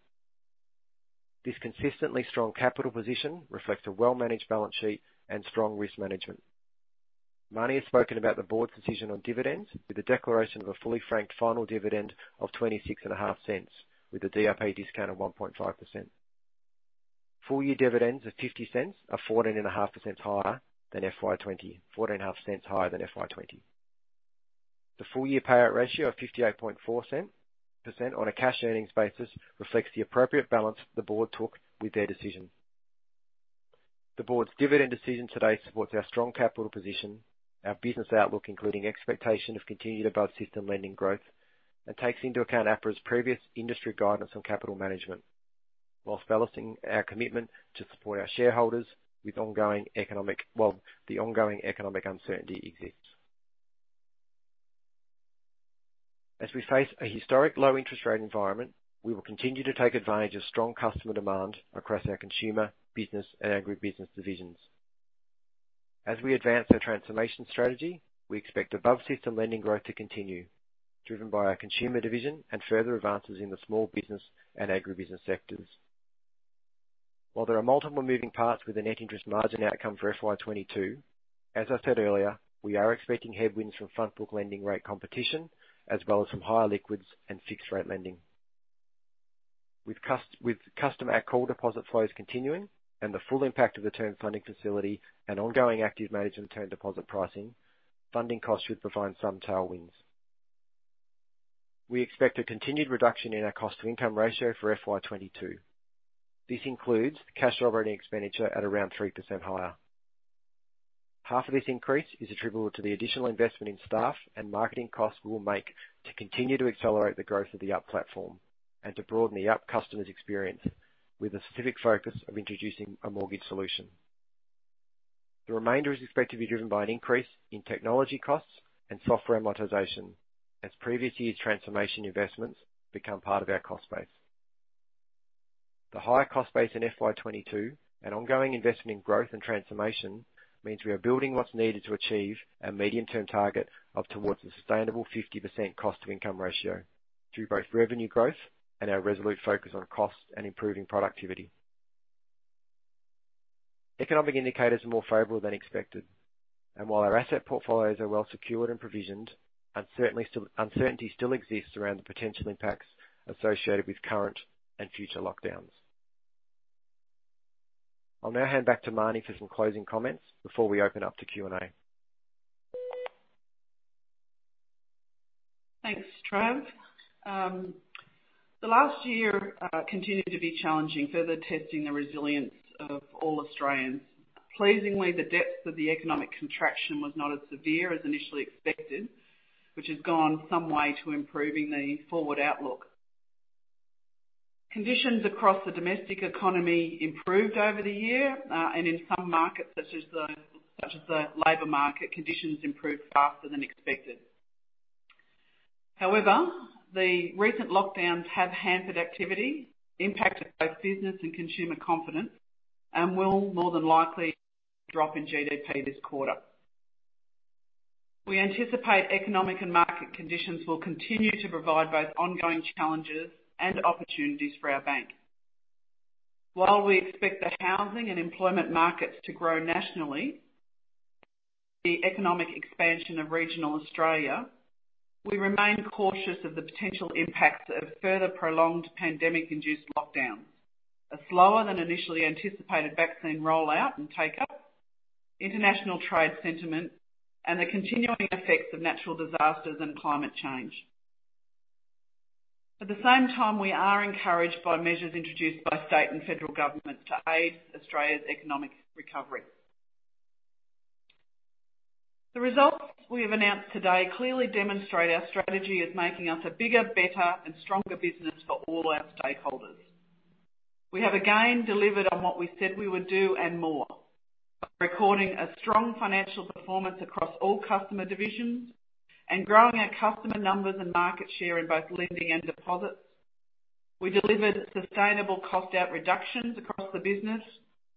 S3: This consistently strong capital position reflects a well-managed balance sheet and strong risk management. Marnie has spoken about the board's decision on dividends with the declaration of a fully franked final dividend of 0.265, with a DRP discount of 1.5%. Full-year dividends of 0.50 are 14.5% higher than FY 2020, AUD 0.145 higher than FY 2020. The full-year payout ratio of 58.4% on a cash earnings basis reflects the appropriate balance the board took with their decision. The board's dividend decision today supports our strong capital position, our business outlook, including expectation of continued above-system lending growth, and takes into account APRA's previous industry guidance on capital management, whilst balancing our commitment to support our shareholders with ongoing economic well, the ongoing economic uncertainty exists. As we face a historic low interest rate environment, we will continue to take advantage of strong customer demand across our consumer, business, and agribusiness divisions. As we advance our transformation strategy, we expect above-system lending growth to continue, driven by our consumer division and further advances in the small business and agribusiness sectors. While there are multiple moving parts with the net interest margin outcome for FY 2022, as I said earlier, we are expecting headwinds from front book lending rate competition, as well as from higher liquids and fixed rate lending. With customer call deposit flows continuing and the full impact of the Term Funding Facility and ongoing active management term deposit pricing, funding costs should provide some tailwinds. We expect a continued reduction in our cost-to-income ratio for FY 2022. This includes cash operating expenditure at around 3% higher. Half of this increase is attributable to the additional investment in staff and marketing costs we will make to continue to accelerate the growth of the Up platform and to broaden the Up customer's experience with a specific focus of introducing a mortgage solution. The remainder is expected to be driven by an increase in technology costs and software amortization, as previous years' transformation investments become part of our cost base. The higher cost base in FY 2022 and ongoing investment in growth and transformation means we are building what's needed to achieve our medium-term target of towards a sustainable 50% cost to income ratio through both revenue growth and our resolute focus on cost and improving productivity. Economic indicators are more favorable than expected, and while our asset portfolios are well secured and provisioned, uncertainty still exists around the potential impacts associated with current and future lockdowns. I'll now hand back to Marnie for some closing comments before we open up to Q&A.
S2: Thanks, Trav. The last year continued to be challenging, further testing the resilience of all Australians. Pleasingly, the depth of the economic contraction was not as severe as initially expected, which has gone some way to improving the forward outlook. Conditions across the domestic economy improved over the year, and in some markets, such as the labor market, conditions improved faster than expected. However, the recent lockdowns have hampered activity, impacted both business and consumer confidence, and will more than likely drop in GDP this quarter. We anticipate economic and market conditions will continue to provide both ongoing challenges and opportunities for our bank. While we expect the housing and employment markets to grow nationally, the economic expansion of regional Australia, we remain cautious of the potential impacts of further prolonged pandemic-induced lockdowns, a slower than initially anticipated vaccine rollout and take-up, international trade sentiment, and the continuing effects of natural disasters and climate change. At the same time, we are encouraged by measures introduced by state and federal governments to aid Australia's economic recovery. The results we have announced today clearly demonstrate our strategy is making us a bigger, better, and stronger business for all our stakeholders. We have again delivered on what we said we would do and more, by recording a strong financial performance across all customer divisions and growing our customer numbers and market share in both lending and deposits. We delivered sustainable cost-out reductions across the business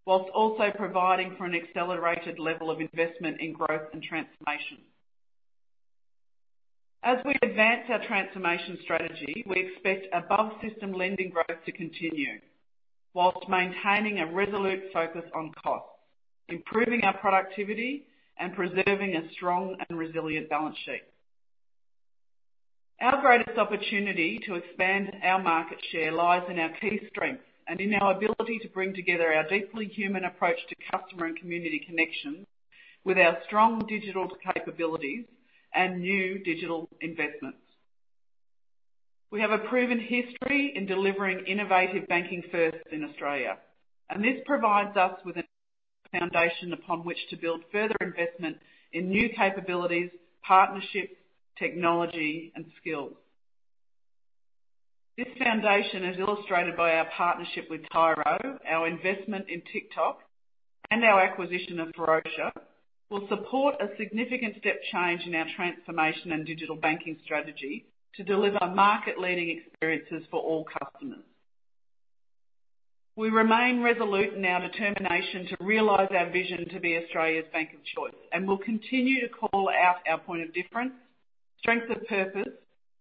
S2: while also providing for an accelerated level of investment in growth and transformation. As we advance our transformation strategy, we expect above-system lending growth to continue while maintaining a resolute focus on costs, improving our productivity, and preserving a strong and resilient balance sheet. Our greatest opportunity to expand our market share lies in our key strength and in our ability to bring together our deeply human approach to customer and community connection with our strong digital capabilities and new digital investments. We have a proven history in delivering innovative banking firsts in Australia, and this provides us with a foundation upon which to build further investment in new capabilities, partnerships, technology, and skills. This foundation is illustrated by our partnership with Tyro, our investment in Tic:Toc, and our acquisition of Ferocia, will support a significant step change in our transformation and digital banking strategy to deliver market-leading experiences for all customers. We remain resolute in our determination to realize our vision to be Australia's bank of choice, and will continue to call out our point of difference, strength of purpose,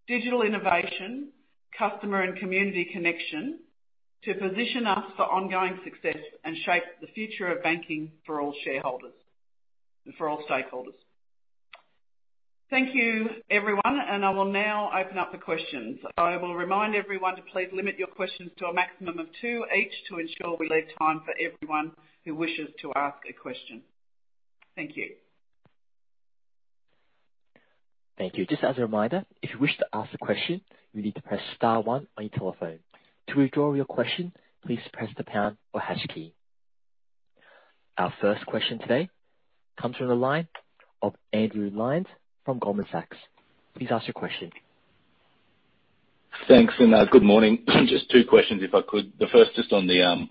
S2: digital innovation, customer and community connection to position us for ongoing success and shape the future of banking for all shareholders and for all stakeholders. Thank you, everyone, and I will now open up the questions. I will remind everyone to please limit your questions to a maximum of two each to ensure we leave time for everyone who wishes to ask a question. Thank you.
S1: Our first question today comes from the line of Andrew Lyons from Goldman Sachs. Please ask your question.
S4: Thanks. Good morning. Just two questions, if I could. The first, just on the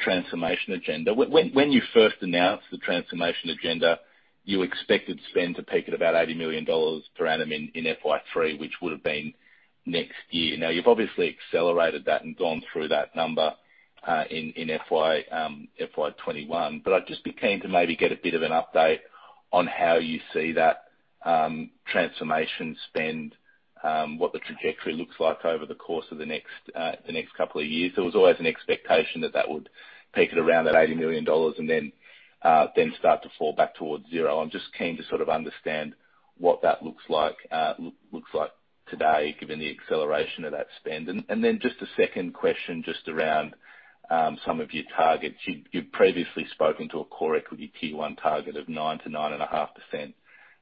S4: transformation agenda. When you first announced the transformation agenda, you expected spend to peak at about 80 million dollars per annum in FY 2023, which would have been next year. You've obviously accelerated that and gone through that number, in FY 2021. I'd just be keen to maybe get a bit of an update on how you see that transformation spend, what the trajectory looks like over the course of the next couple of years. There was always an expectation that that would peak at around that 80 million dollars and then start to fall back towards zero. I'm just keen to sort of understand what that looks like today, given the acceleration of that spend. Just a second question just around some of your targets. You've previously spoken to a core equity T1 target of 9%-9.5%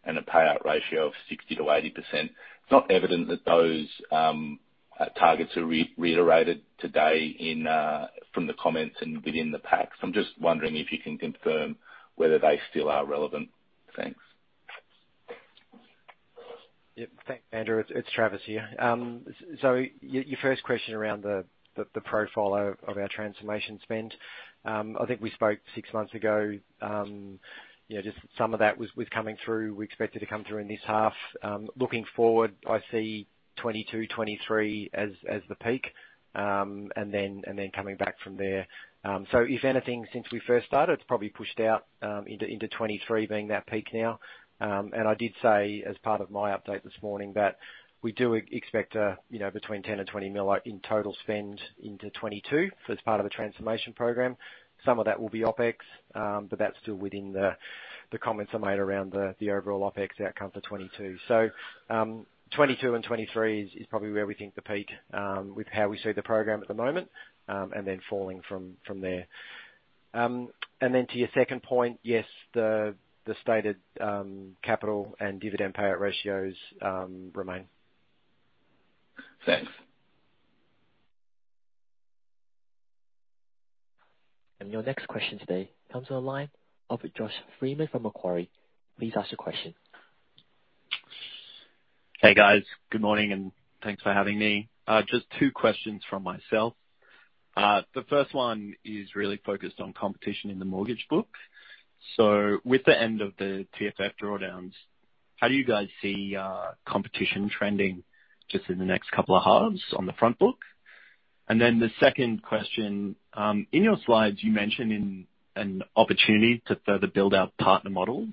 S4: and a payout ratio of 60%-80%. It's not evident that those targets are reiterated today from the comments and within the packs. I'm just wondering if you can confirm whether they still are relevant. Thanks.
S3: Yeah. Thanks, Andrew. It's Travis here. Your first question around the profile of our transformation spend. I think we spoke six months ago. Just some of that was coming through. We expected to come through in this half. Looking forward, I see 2022, 2023 as the peak, and then coming back from there. If anything, since we first started, it's probably pushed out into 2023 being that peak now. I did say, as part of my update this morning, that we do expect between 10 million and 20 million in total spend into 2022 as part of a transformation program. Some of that will be OpEx, but that's still within the comments I made around the overall OpEx outcome for 2022. 2022 and 2023 is probably where we think the peak, with how we see the program at the moment, and then falling from there. Then to your second point, yes, the stated capital and dividend payout ratios remain.
S4: Thanks.
S1: Your next question today comes on the line. Josh Freeman from Macquarie. Please ask your question.
S5: Hey, guys. Good morning, and thanks for having me. Just two questions from myself. The first one is really focused on competition in the mortgage book. With the end of the TFF drawdowns, how do you guys see competition trending just in the next couple of halves on the front book? The second question, in your slides, you mentioned an opportunity to further build out partner models,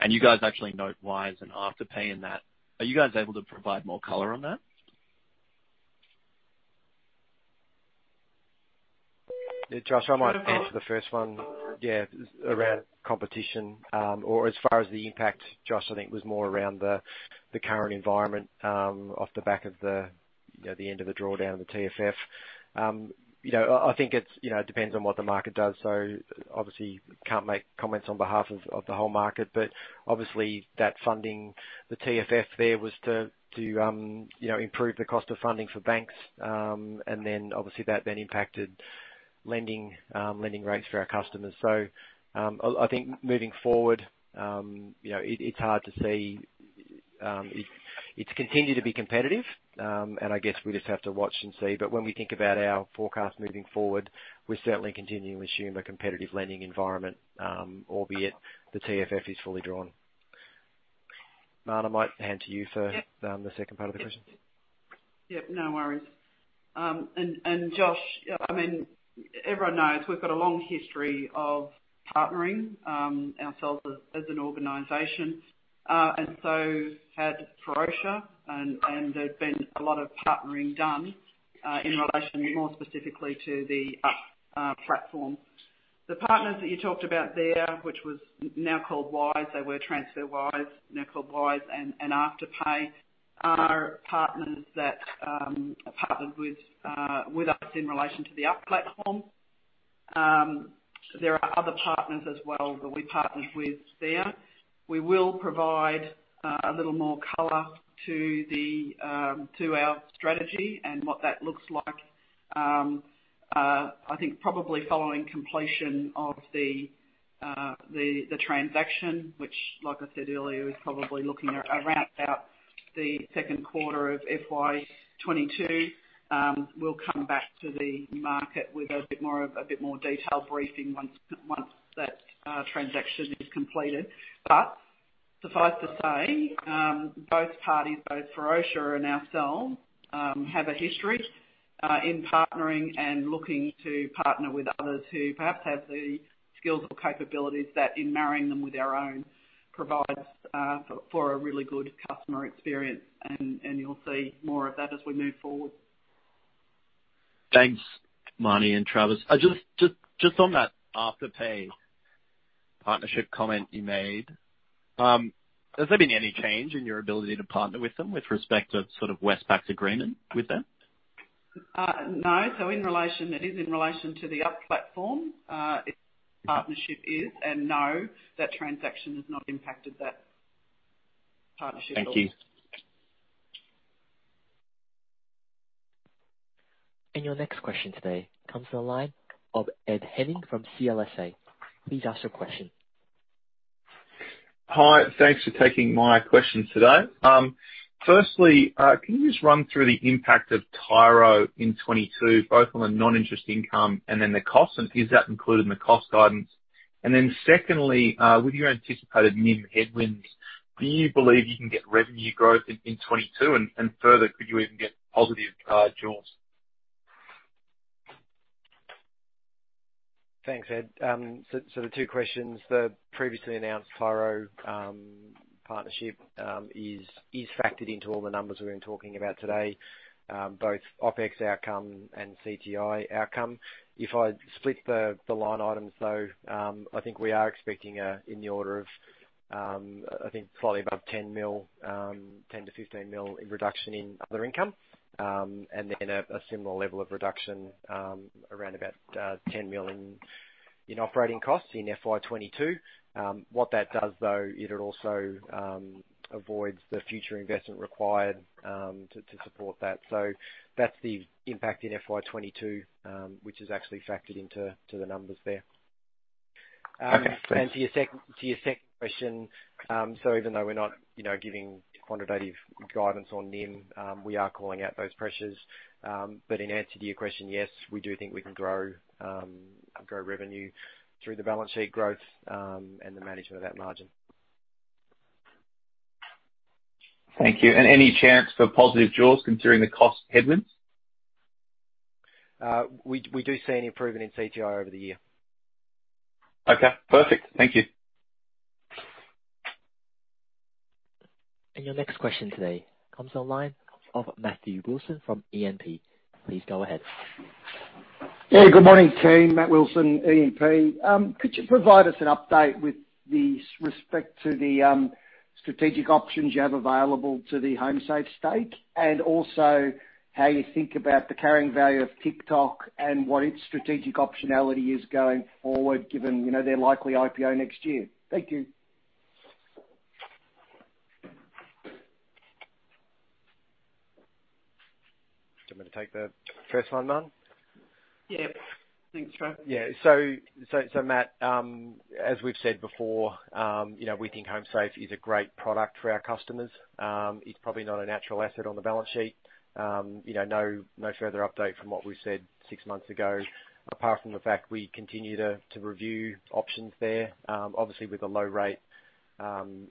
S5: and you guys actually note Wise and Afterpay in that. Are you guys able to provide more color on that?
S3: Josh, I might answer the first one. Around competition, or as far as the impact, Josh, I think was more around the current environment, off the back of the end of the drawdown of the TFF. I think it depends on what the market does. Obviously, can't make comments on behalf of the whole market. Obviously that funding, the TFF there was to improve the cost of funding for banks. Obviously that then impacted lending rates for our customers. I think moving forward, it's hard to see. It's continued to be competitive. I guess we just have to watch and see. When we think about our forecast moving forward, we certainly continue to assume a competitive lending environment, albeit the TFF is fully drawn. Marn, I might hand to you for the second part of the question.
S2: Yep, no worries. Josh, everyone knows we've got a long history of partnering, ourselves as an organization. Had Ferocia, and there's been a lot of partnering done, in relation more specifically to the Up platform. The partners that you talked about there, which was now called Wise, they were TransferWise, now called Wise, and Afterpay are partners that are partnered with us in relation to the Up platform. There are other partners as well that we partnered with there. We will provide a little more color to our strategy and what that looks like. I think probably following completion of the transaction, which, like I said earlier, is probably looking around about the second quarter of FY 2022. We'll come back to the market with a bit more detailed briefing once that transaction is completed. Suffice to say, both parties, both Ferocia and ourselves, have a history in partnering and looking to partner with others who perhaps have the skills or capabilities that in marrying them with our own, provides for a really good customer experience. You'll see more of that as we move forward.
S5: Thanks, Marnie and Travis. Just on that Afterpay partnership comment you made, has there been any change in your ability to partner with them with respect to Westpac's agreement with them?
S2: No. It is in relation to the Up platform. No, that transaction has not impacted that partnership at all.
S5: Thank you.
S1: Your next question today comes on the line of Ed Henning from CLSA. Please ask your question.
S6: Hi. Thanks for taking my questions today. Firstly, can you just run through the impact of Tyro in 2022, both on the non-interest income and then the cost, and is that included in the cost guidance? Secondly, with your anticipated NIM headwinds, do you believe you can get revenue growth in 2022? Further, could you even get positive jaws?
S3: Thanks, Ed. The two questions, the previously announced Tyro partnership is factored into all the numbers we've been talking about today, both OpEx outcome and CTI outcome. If I split the line items, though, I think we are expecting in the order of, I think slightly above 10 million, 10 million-15 million in reduction in other income. Then a similar level of reduction, around about 10 million in operating costs in FY 2022. What that does, though, it'll also avoid the future investment required to support that. That's the impact in FY 2022, which is actually factored into the numbers there.
S6: Okay. Thanks.
S3: To your second question. Even though we're not giving quantitative guidance on NIM, we are calling out those pressures. In answer to your question, yes, we do think we can grow revenue through the balance sheet growth, and the management of that margin.
S6: Thank you. Any chance for positive jaws considering the cost headwinds?
S3: We do see an improvement in CTI over the year.
S6: Okay. Perfect. Thank you.
S1: Your next question today comes on line of Matthew Wilson from E&P. Please go ahead.
S7: Yeah, good morning team. Matthew Wilson, E&P. Could you provide us an update with respect to the strategic options you have available to the Homesafe stake? Also how you think about the carrying value of Tic:Toc and what its strategic optionality is going forward, given their likely IPO next year. Thank you.
S3: Do you want me to take the first one, Marn?
S2: Yeah. Thanks, Trav.
S3: Matt, as we've said before, we think Homesafe is a great product for our customers. It's probably not a natural asset on the balance sheet. No further update from what we said six months ago, apart from the fact we continue to review options there. Obviously, with a low rate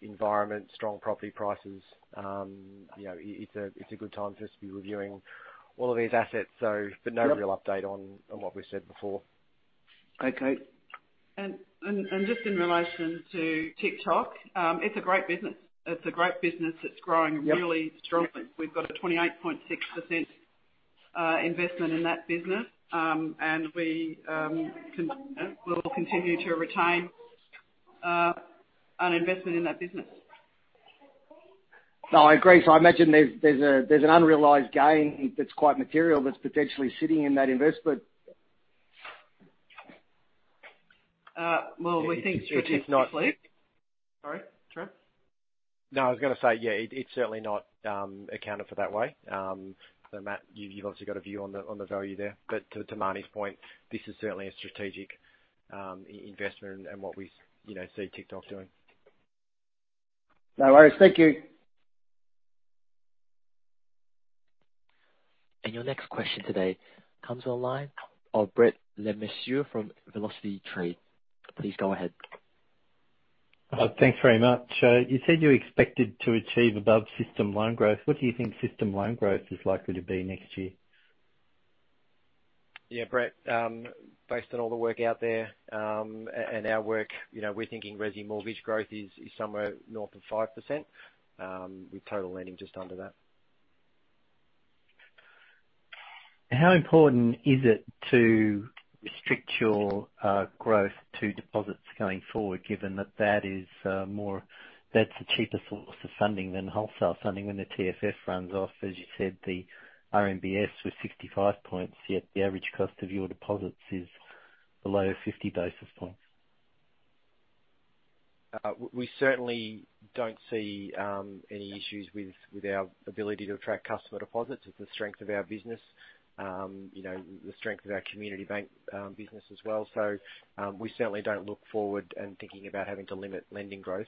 S3: environment, strong property prices, it's a good time for us to be reviewing all of these assets. No real update on what we've said before.
S7: Okay.
S2: Just in relation to Tic:Toc, it's a great business. It's a great business that's growing really strongly. We've got a 28.6% investment in that business, and we'll continue to retain an investment in that business.
S7: No, I agree. I imagine there's an unrealized gain that's quite material that's potentially sitting in that investment.
S2: We think strategically. Sorry, Trav?
S3: I was going to say, it's certainly not accounted for that way. Matt, you've obviously got a view on the value there. To Marnie's point, this is certainly a strategic investment in what we see Tic:Toc doing.
S7: No worries. Thank you.
S1: Your next question today comes on the line of Brett Le Mesurier from Velocity Trade. Please go ahead.
S8: Thanks very much. You said you expected to achieve above-system loan growth. What do you think system loan growth is likely to be next year?
S3: Yeah, Brett. Based on all the work out there, and our work, we're thinking resi mortgage growth is somewhere north of 5%, with total lending just under that.
S8: How important is it to restrict your growth to deposits going forward, given that that's the cheaper source of funding than wholesale funding when the TFF runs off? As you said, the RMBS was 65 points, yet the average cost of your deposits is below 50 basis points.
S3: We certainly don't see any issues with our ability to attract customer deposits. It's the strength of our business, the strength of our Community Bank business as well. We certainly don't look forward in thinking about having to limit lending growth.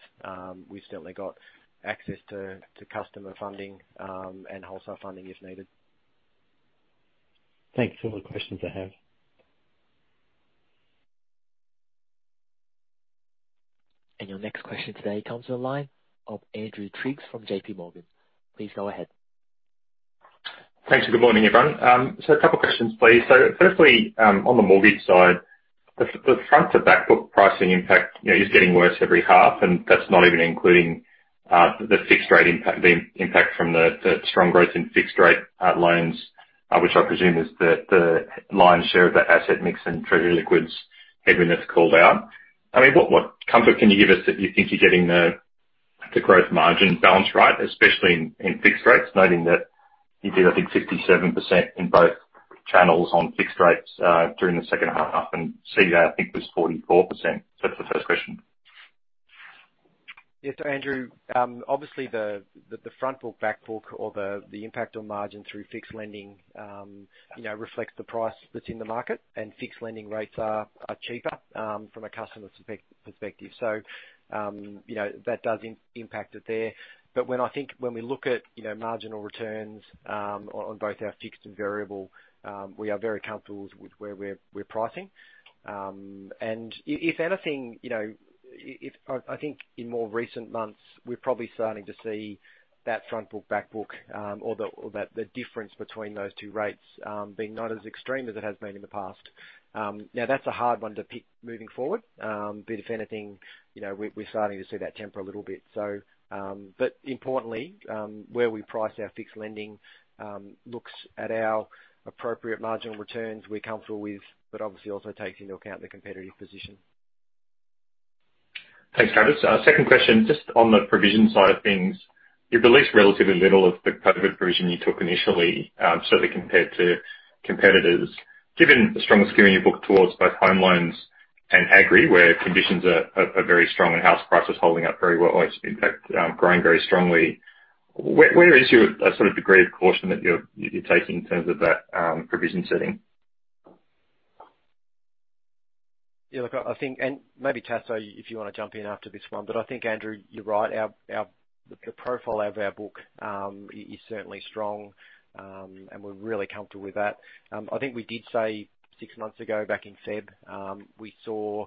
S3: We've certainly got access to customer funding and wholesale funding if needed.
S8: Thanks. Those are all the questions I have.
S1: Your next question today comes on the line of Andrew Triggs from JPMorgan. Please go ahead.
S9: Thanks, good morning, everyone. A couple questions, please. Firstly, on the mortgage side, the front to backbook pricing impact is getting worse every half, and that's not even including the fixed-rate impact, the impact from the strong growth in fixed-rate loans, which I presume is the lion's share of that asset mix and treasury liquids heaviness called out. I mean, what comfort can you give us that you think you're getting the growth margin balance right, especially in fixed rates, noting that you did, I think, 57% in both channels on fixed rates during the second half, and CBA, I think, was 44%. That's the first question.
S3: Andrew, obviously the front-book, back-book, or the impact on margin through fixed lending reflects the price that's in the market, and fixed lending rates are cheaper from a customer perspective. That does impact it there. When we look at marginal returns on both our fixed and variable, we are very comfortable with where we're pricing. If anything, I think in more recent months, we're probably starting to see that front-book, back-book, or the difference between those two rates being not as extreme as it has been in the past. Now, that's a hard one to pick moving forward. If anything, we're starting to see that temper a little bit. Importantly, where we price our fixed lending looks at our appropriate marginal returns we're comfortable with, but obviously also takes into account the competitive position.
S9: Thanks, Travis. Second question, just on the provision side of things, you've released relatively little of the COVID provision you took initially, certainly compared to competitors. Given the strongest skew in your book towards both home loans and agri, where conditions are very strong and house prices holding up very well, in fact, growing very strongly, where is your degree of caution that you're taking in terms of that provision setting?
S3: Yeah, look, I think, and maybe Taso, if you want to jump in after this one, but I think, Andrew, you're right. The profile of our book is certainly strong, and we're really comfortable with that. I think we did say six months ago, back in Feb, we saw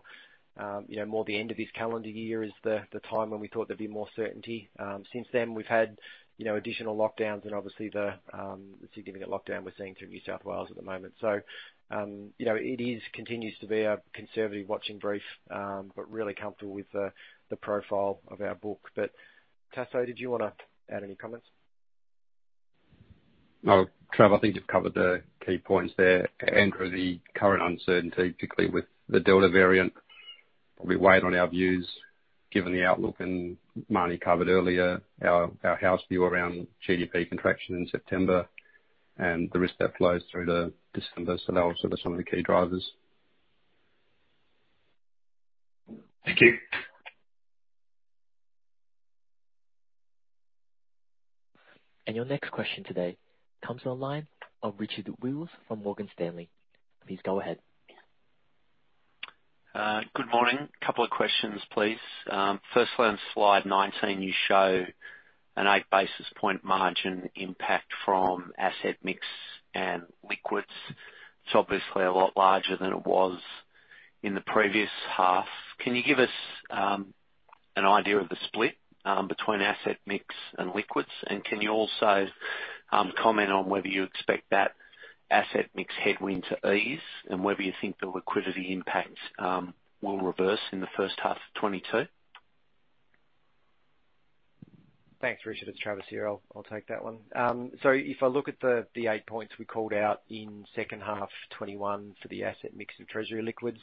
S3: more the end of this calendar year as the time when we thought there'd be more certainty. Since then, we've had additional lockdowns and obviously the significant lockdown we're seeing through New South Wales at the moment. It continues to be a conservative watching brief, but really comfortable with the profile of our book. Taso, did you want to add any comments?
S10: No, Trav, I think you've covered the key points there. Andrew, the current uncertainty, particularly with the Delta variant, probably weighed on our views, given the outlook, and Marnie covered earlier our house view around GDP contraction in September and the risk that flows through to December. They were sort of some of the key drivers.
S9: Thank you.
S1: Your next question today comes on the line of Richard Wiles from Morgan Stanley. Please go ahead.
S11: Good morning. Couple of questions, please. Firstly, on slide 19, you show an 8 basis point margin impact from asset mix and liquids. It's obviously a lot larger than it was in the previous half. Can you give us an idea of the split between asset mix and liquids? Can you also comment on whether you expect that asset mix headwind to ease and whether you think the liquidity impact will reverse in the first half of FY 2022?
S3: Thanks, Richard. It's Travis here. I'll take that one. If I look at the 8 points we called out in second half 2021 for the asset mix of treasury liquids,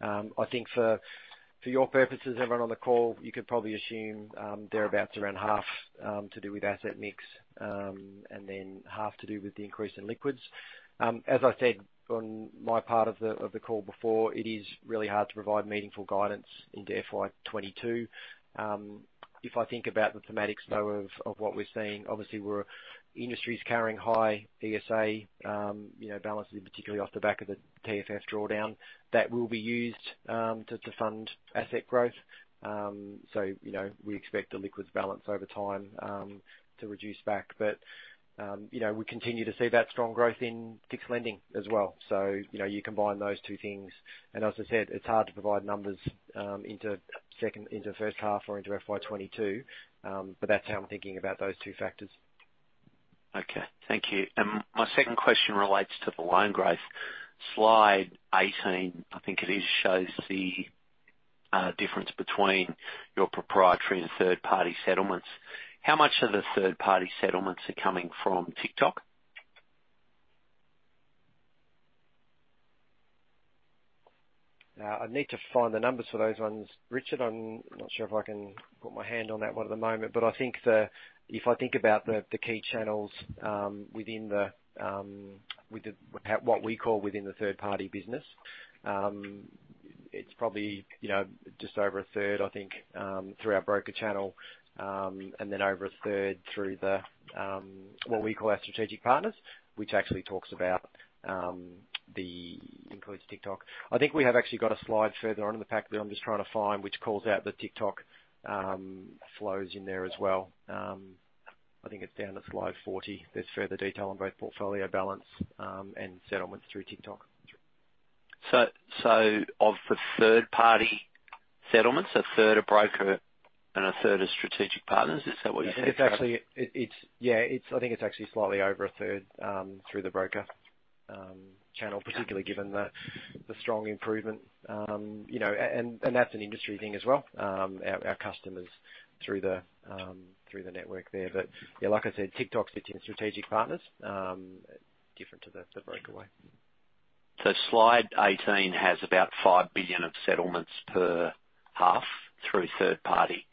S3: I think for your purposes, everyone on the call, you could probably assume they're about around half to do with asset mix and then half to do with the increase in liquids. As I said, on my part of the call before, it is really hard to provide meaningful guidance into FY 2022. If I think about the thematics, though, of what we're seeing, obviously, we're industries carrying high ESA balances, particularly off the back of the TFF drawdown. That will be used to fund asset growth. We expect the liquids balance over time to reduce back. We continue to see that strong growth in fixed lending as well. You combine those two things, and as I said, it's hard to provide numbers into first half or into FY 2022. That's how I'm thinking about those two factors.
S11: Okay. Thank you. My second question relates to the loan growth. Slide 18, I think it is, shows the difference between your proprietary and third-party settlements. How much of the third-party settlements are coming from Tic:Toc?
S3: I need to find the numbers for those ones, Richard. I'm not sure if I can put my hand on that one at the moment. If I think about the key channels within what we call within the third-party business, it's probably just over 1/3, I think, through our broker channel, and then over 1/3 through what we call our strategic partners, which actually includes Tic:Toc. I think we have actually got a slide further on in the pack that I'm just trying to find, which calls out the Tic:Toc flows in there as well. I think it's down to slide 40. There's further detail on both portfolio balance and settlements through Tic:Toc.
S11: Of the third-party settlements, 1/3 are broker and a third are strategic partners. Is that what you said?
S3: Yeah, I think it's actually slightly over 1/3 through the broker channel, particularly given the strong improvement. That's an industry thing as well, our customers through the network there. Yeah, like I said, Tic:Toc sits in strategic partners, different to the broker way.
S11: Slide 18 has about 5 billion of settlements per half through third party.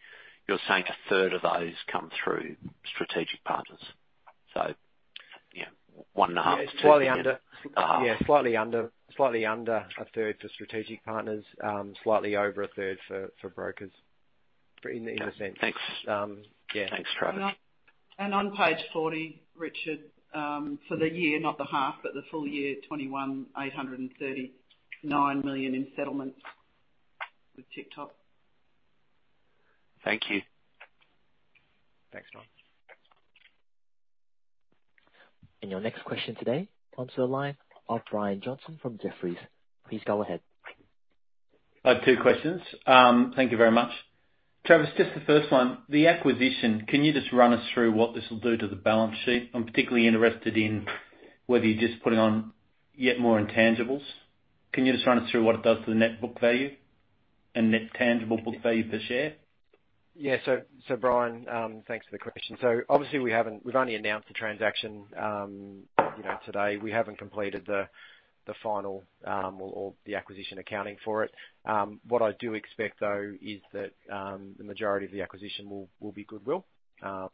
S11: You're saying 1/3 of those come through strategic partners. One and a half, AUD 2 billion.
S3: Yeah, slightly under 1/3 for strategic partners. Slightly over 1/3 for brokers in a sense.
S11: Thanks.
S3: Yeah.
S11: Thanks, Travis.
S2: On page 40, Richard, for the year, not the half, but the full year, 2021, 839 million in settlements with Tic:Toc.
S11: Thank you.
S3: Thanks, John.
S1: Your next question today comes to the line of Brian Johnson from Jefferies. Please go ahead.
S12: I have two questions. Thank you very much. Travis, just the first one, the acquisition. Can you just run us through what this will do to the balance sheet? I'm particularly interested in whether you're just putting on yet more intangibles. Can you just run us through what it does to the net book value and net tangible book value per share?
S3: Yeah. Brian, thanks for the question. Obviously we've only announced the transaction today. We haven't completed the final or the acquisition accounting for it. What I do expect, though, is that the majority of the acquisition will be goodwill. That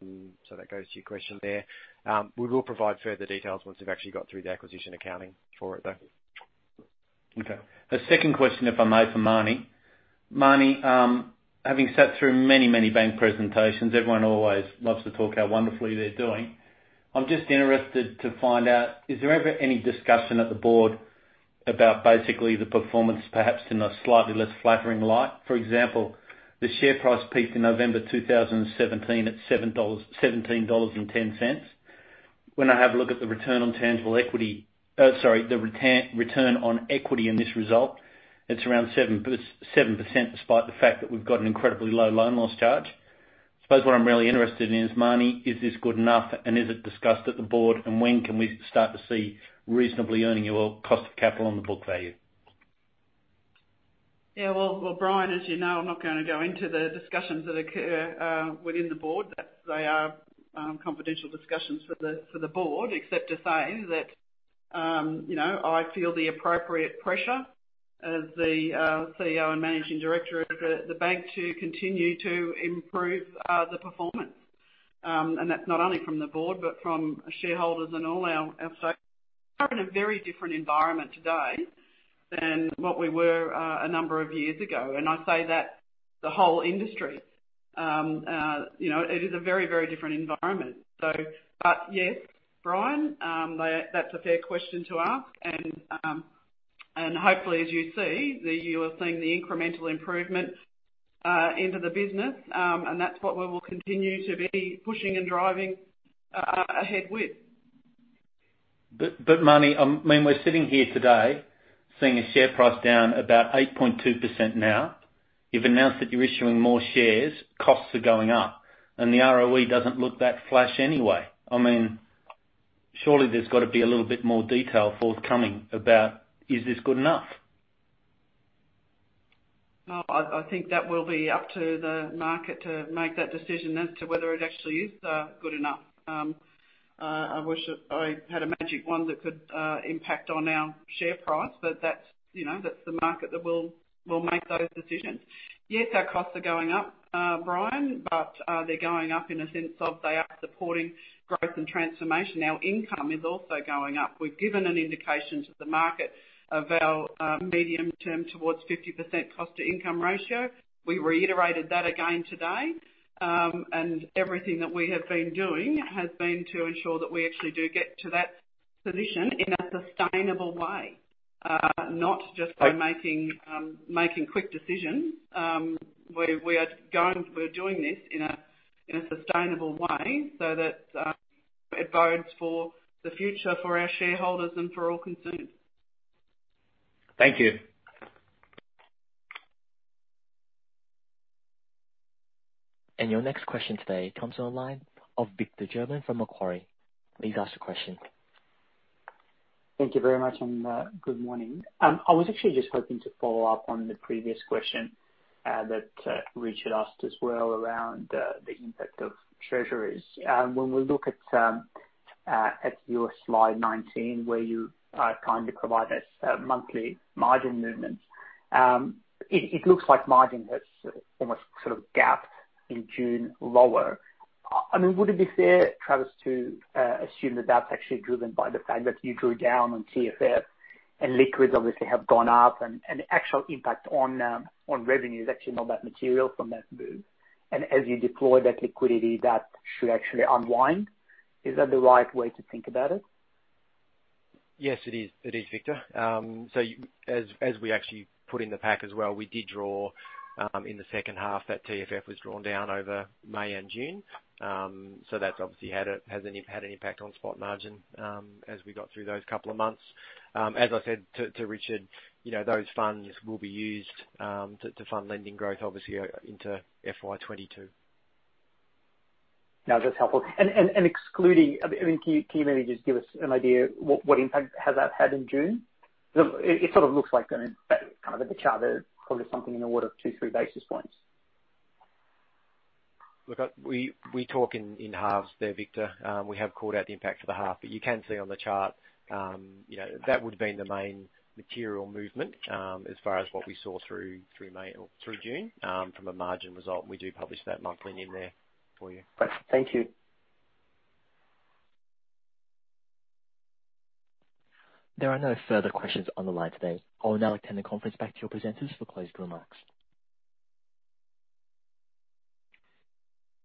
S3: goes to your question there. We will provide further details once we've actually got through the acquisition accounting for it, though.
S12: A second question, if I may, for Marnie. Marnie, having sat through many bank presentations, everyone always loves to talk how wonderfully they're doing. I'm just interested to find out, is there ever any discussion at the board about basically the performance, perhaps in a slightly less flattering light? For example, the share price peaked in November 2017 at 17.10 dollars. When I have a look at the return on equity in this result, it's around 7%, despite the fact that we've got an incredibly low loan loss charge. Suppose what I'm really interested in is, Marnie, is this good enough and is it discussed at the board? When can we start to see reasonably earning your cost of capital on the book value?
S2: Yeah. Well, Brian, as you know, I'm not going to go into the discussions that occur within the board. They are confidential discussions for the board, except to say that I feel the appropriate pressure as the CEO and managing director of the bank to continue to improve the performance. That's not only from the board, but from shareholders and all our stakeholders. We're in a very different environment today than what we were a number of years ago, and I say that, the whole industry. It is a very different environment. Yes, Brian, that's a fair question to ask, and hopefully, as you see, that you are seeing the incremental improvement into the business, and that's what we will continue to be pushing and driving ahead with.
S12: Marnie, we're sitting here today seeing a share price down about 8.2% now. You've announced that you're issuing more shares, costs are going up, and the ROE doesn't look that flash anyway. Surely there's got to be a little bit more detail forthcoming about, is this good enough?
S2: I think that will be up to the market to make that decision as to whether it actually is good enough. I wish I had a magic wand that could impact on our share price, that's the market that will make those decisions. Yes, our costs are going up, Brian, they're going up in a sense of they are supporting growth and transformation. Our income is also going up. We've given an indication to the market of our medium term towards 50% cost to income ratio. We reiterated that again today. Everything that we have been doing has been to ensure that we actually do get to that position in a sustainable way, not just by making quick decisions. We're doing this in a sustainable way so that it bodes for the future, for our shareholders, and for all consumers.
S12: Thank you.
S1: Your next question today comes on the line of Victor German from Macquarie. Please ask your question.
S13: Thank you very much. Good morning. I was actually just hoping to follow up on the previous question that Richard asked as well around the impact of treasuries. When we look at your slide 19, where you kindly provide us monthly margin movements. It looks like margin has almost sort of gapped in June lower. Would it be fair, Travis, to assume that that's actually driven by the fact that you drew down on TFF, and liquids obviously have gone up, and the actual impact on revenue is actually not that material from that move? As you deploy that liquidity, that should actually unwind. Is that the right way to think about it?
S3: Yes, it is, Victor. As we actually put in the pack as well, we did draw in the second half, that TFF was drawn down over May and June. That's obviously had an impact on spot margin as we got through those couple of months. As I said to Richard, those funds will be used to fund lending growth, obviously, into FY 2022.
S13: No, that's helpful. Excluding, can you maybe just give us an idea what impact has that had in June? It sort of looks like the chart is probably something in the order of 2, 3 basis points.
S3: Look, we talk in halves there, Victor. We have called out the impact for the half. You can see on the chart, that would've been the main material movement as far as what we saw through June from a margin result. We do publish that monthly in there for you.
S13: Great. Thank you.
S1: There are no further questions on the line today. I will now return the conference back to your presenters for closing remarks.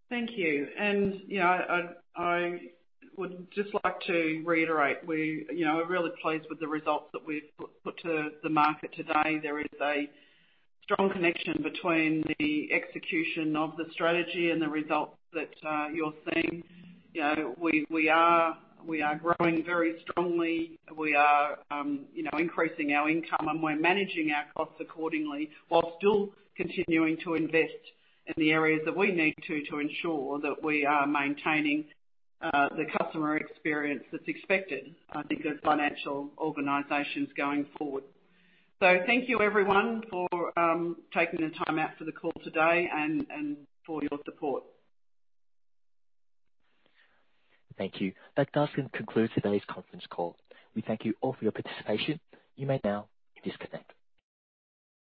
S2: Thank you. I would just like to reiterate, we're really pleased with the results that we've put to the market today. There is a strong connection between the execution of the strategy and the results that you're seeing. We are growing very strongly. We are increasing our income, and we're managing our costs accordingly while still continuing to invest in the areas that we need to ensure that we are maintaining the customer experience that's expected, I think, as financial organizations going forward. Thank you everyone for taking the time out for the call today and for your support.
S1: Thank you. That does conclude today's conference call. We thank you all for your participation. You may now disconnect.